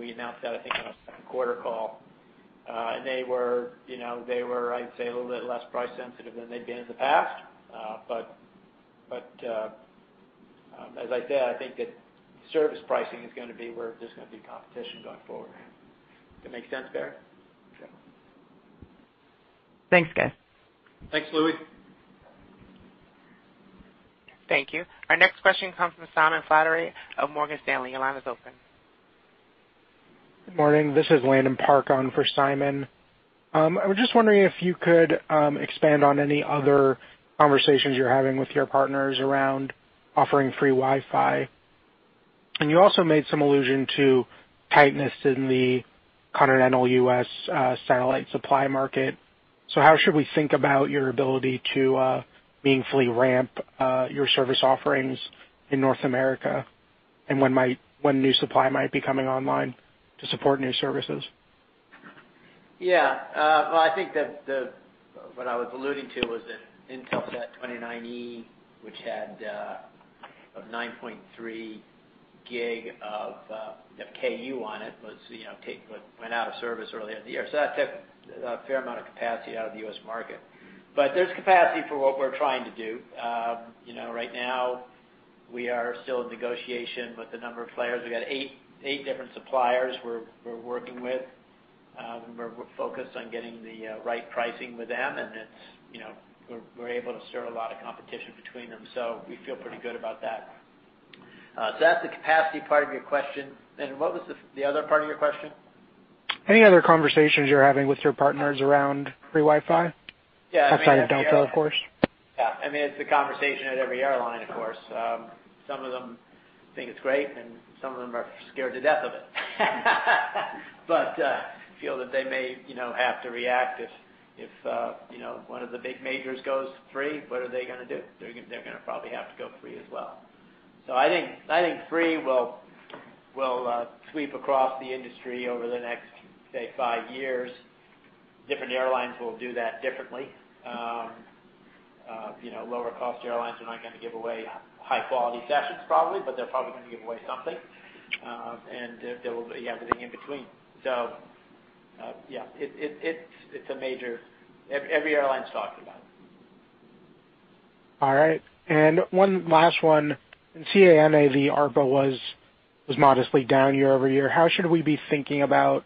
We announced that, I think, on our second quarter call. They were, I'd say, a little bit less price sensitive than they'd been in the past. As I said, I think that service pricing is going to be where there's going to be competition going forward. Does that make sense, Barry? Sure. Thanks, guys. Thanks, Louie. Thank you. Our next question comes from Simon Flannery of Morgan Stanley. Your line is open. Good morning. This is Landon Park on for Simon. I was just wondering if you could expand on any other conversations you're having with your partners around offering free Wi-Fi. You also made some allusion to tightness in the continental U.S. satellite supply market. How should we think about your ability to meaningfully ramp your service offerings in North America? When new supply might be coming online to support new services? Well, I think that what I was alluding to was that Intelsat 29e, which had a 9.3 gig of Ku on it, went out of service earlier in the year. That took a fair amount of capacity out of the U.S. market. There's capacity for what we're trying to do. Right now we are still in negotiation with a number of players. We got eight different suppliers we're working with. We're focused on getting the right pricing with them, and we're able to stir a lot of competition between them. We feel pretty good about that. That's the capacity part of your question, and what was the other part of your question? Any other conversations you're having with your partners around free Wi-Fi? Yeah. Outside of Delta, of course. Yeah. It's a conversation at every airline, of course. Some of them think it's great, and some of them are scared to death of it. Feel that they may have to react if one of the big majors goes free, what are they going to do? They're going to probably have to go free as well. I think free will sweep across the industry over the next, say, five years. Different airlines will do that differently. Lower cost airlines are not going to give away high quality sessions probably, but they're probably going to give away something. There will be everything in between. Yeah, it's a major, every airline's talking about it. All right. One last one. In CA-NA, the ARPA was modestly down year-over-year. How should we be thinking about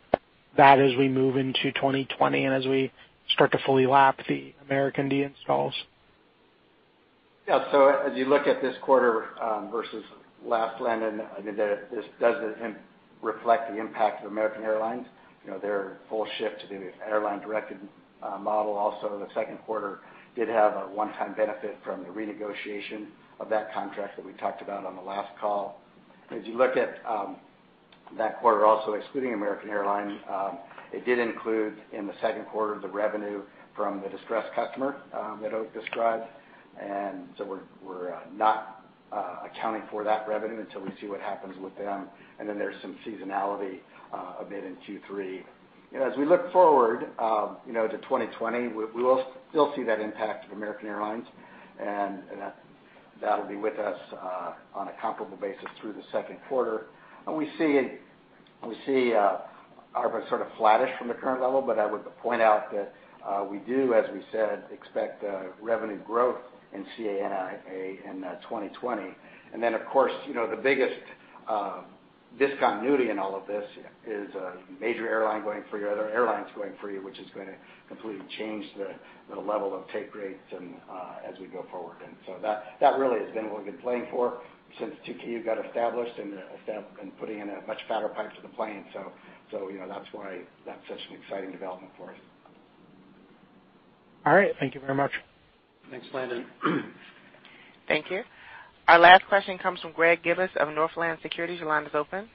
that as we move into 2020 and as we start to fully lap the American deinstalls? As you look at this quarter versus last, Landon, this doesn't reflect the impact of American Airlines. Their full shift to the airline-directed model. The second quarter did have a one-time benefit from the renegotiation of that contract that we talked about on the last call. As you look at that quarter, also excluding American Airlines, it did include in the second quarter, the revenue from the distressed customer that Oak described. We're not accounting for that revenue until we see what happens with them. There's some seasonality a bit in Q3. As we look forward to 2020, we will still see that impact of American Airlines, and that'll be with us on a comparable basis through the second quarter. We see ARPA sort of flattish from the current level, but I would point out that we do, as we said, expect revenue growth in CA-NA, and in 2020. Then, of course, the biggest discontinuity in all of this is a major airline going free or other airlines going free, which is going to completely change the level of take rates as we go forward. So that really has been what we've been playing for since 2Ku got established and putting in a much fatter pipe to the plane. That's why that's such an exciting development for us. All right. Thank you very much. Thanks, Landon. Thank you. Our last question comes from Greg Gibas of Northland Securities. Your line is open.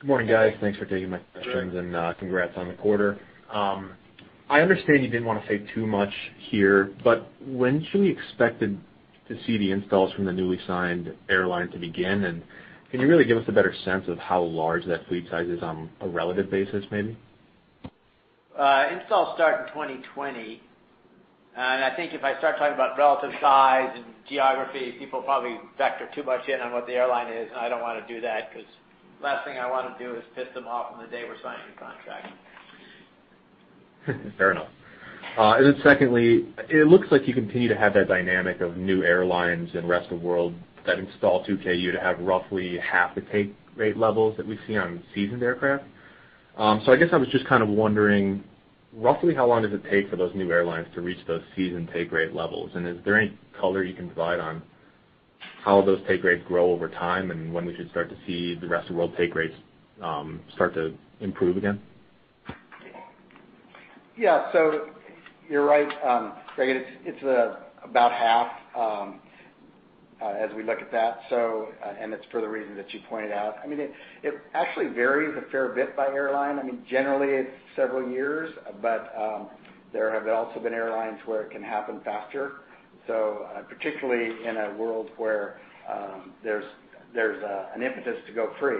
Good morning, guys. Thanks for taking my questions and congrats on the quarter. I understand you didn't want to say too much here, but when should we expected to see the installs from the newly signed airline to begin, and can you really give us a better sense of how large that fleet size is on a relative basis, maybe? Installs start in 2020. I think if I start talking about relative size and geography, people probably factor too much in on what the airline is, and I don't want to do that because last thing I want to do is piss them off on the day we're signing contracts. Fair enough. Secondly, it looks like you continue to have that dynamic of new airlines and Rest of World that install 2Ku to have roughly half the take rate levels that we see on seasoned aircraft. I guess I was just kind of wondering, roughly how long does it take for those new airlines to reach those seasoned take rate levels? Is there any color you can provide on how those take rates grow over time and when we should start to see the Rest of World take rates start to improve again? Yeah. You're right, Greg. It's about half, as we look at that, and it's for the reason that you pointed out. It actually varies a fair bit by airline. Generally, it's several years, but there have also been airlines where it can happen faster. Particularly in a world where there's an impetus to go free.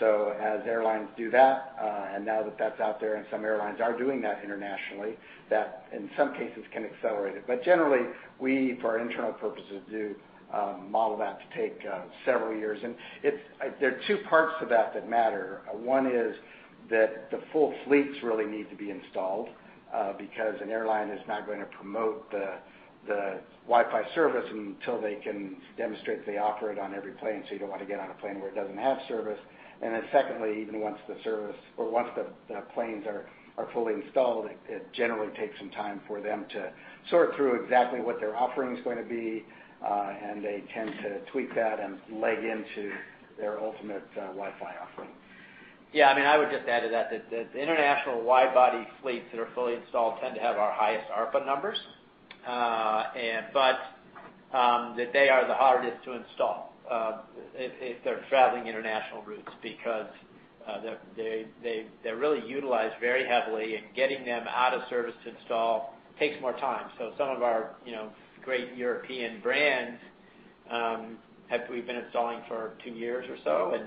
As airlines do that, and now that that's out there and some airlines are doing that internationally, that in some cases can accelerate it. Generally, we, for our internal purposes, do model that to take several years. There are two parts to that that matter. One is that the full fleets really need to be installed, because an airline is not going to promote the Wi-Fi service until they can demonstrate that they operate on every plane. You don't want to get on a plane where it doesn't have service. Secondly, even once the planes are fully installed, it generally takes some time for them to sort through exactly what their offering is going to be, and they tend to tweak that and leg into their ultimate Wi-Fi offering. I would just add to that the international wide-body fleets that are fully installed tend to have our highest ARPA numbers. That they are the hardest to install, if they're traveling international routes, because they're really utilized very heavily and getting them out of service to install takes more time. Some of our great European brands, we've been installing for two years or so,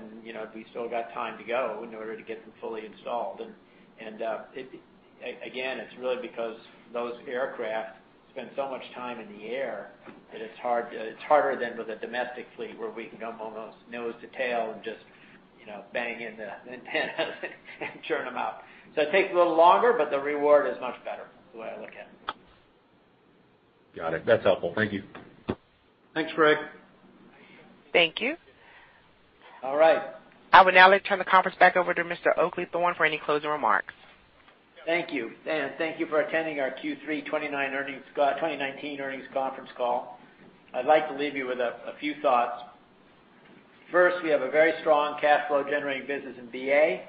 we still got time to go in order to get them fully installed. Again, it's really because those aircraft spend so much time in the air that it's harder than with a domestic fleet where we can go almost nose to tail and just bang in the antennas and churn them out. It takes a little longer, the reward is much better, the way I look at it. Got it. That's helpful. Thank you. Thanks, Greg. Thank you. All right. I would now like to turn the conference back over to Mr. Oakleigh Thorne for any closing remarks. Thank you. Thank you for attending our Q3 2019 earnings conference call. I'd like to leave you with a few thoughts. First, we have a very strong cash flow generating business in BA.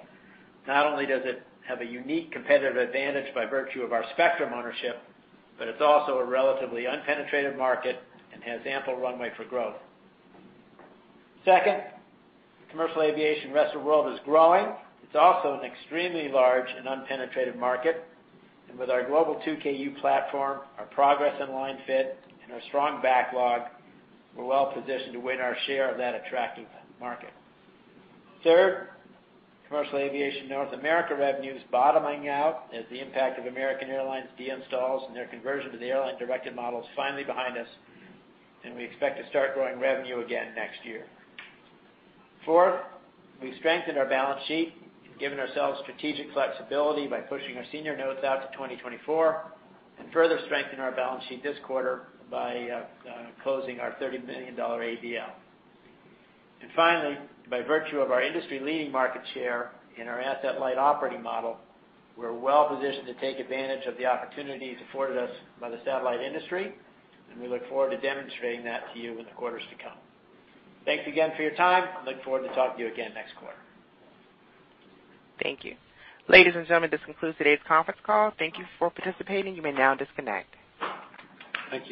Not only does it have a unique competitive advantage by virtue of our spectrum ownership, but it's also a relatively unpenetrated market and has ample runway for growth. Second, Commercial Aviation Rest of World is growing. It's also an extremely large and unpenetrated market. With our global 2Ku platform, our progress in line-fit, and our strong backlog, we're well-positioned to win our share of that attractive market. Third, Commercial Aviation North America revenue's bottoming out as the impact of American Airlines deinstalls and their conversion to the airline-directed model is finally behind us, and we expect to start growing revenue again next year. Fourth, we've strengthened our balance sheet, given ourselves strategic flexibility by pushing our senior notes out to 2024, and further strengthened our balance sheet this quarter by closing our $30 million ABL. Finally, by virtue of our industry-leading market share and our asset-light operating model, we're well-positioned to take advantage of the opportunities afforded us by the satellite industry, and we look forward to demonstrating that to you in the quarters to come. Thanks again for your time. I look forward to talking to you again next quarter. Thank you. Ladies and gentlemen, this concludes today's conference call. Thank you for participating. You may now disconnect. Thank you.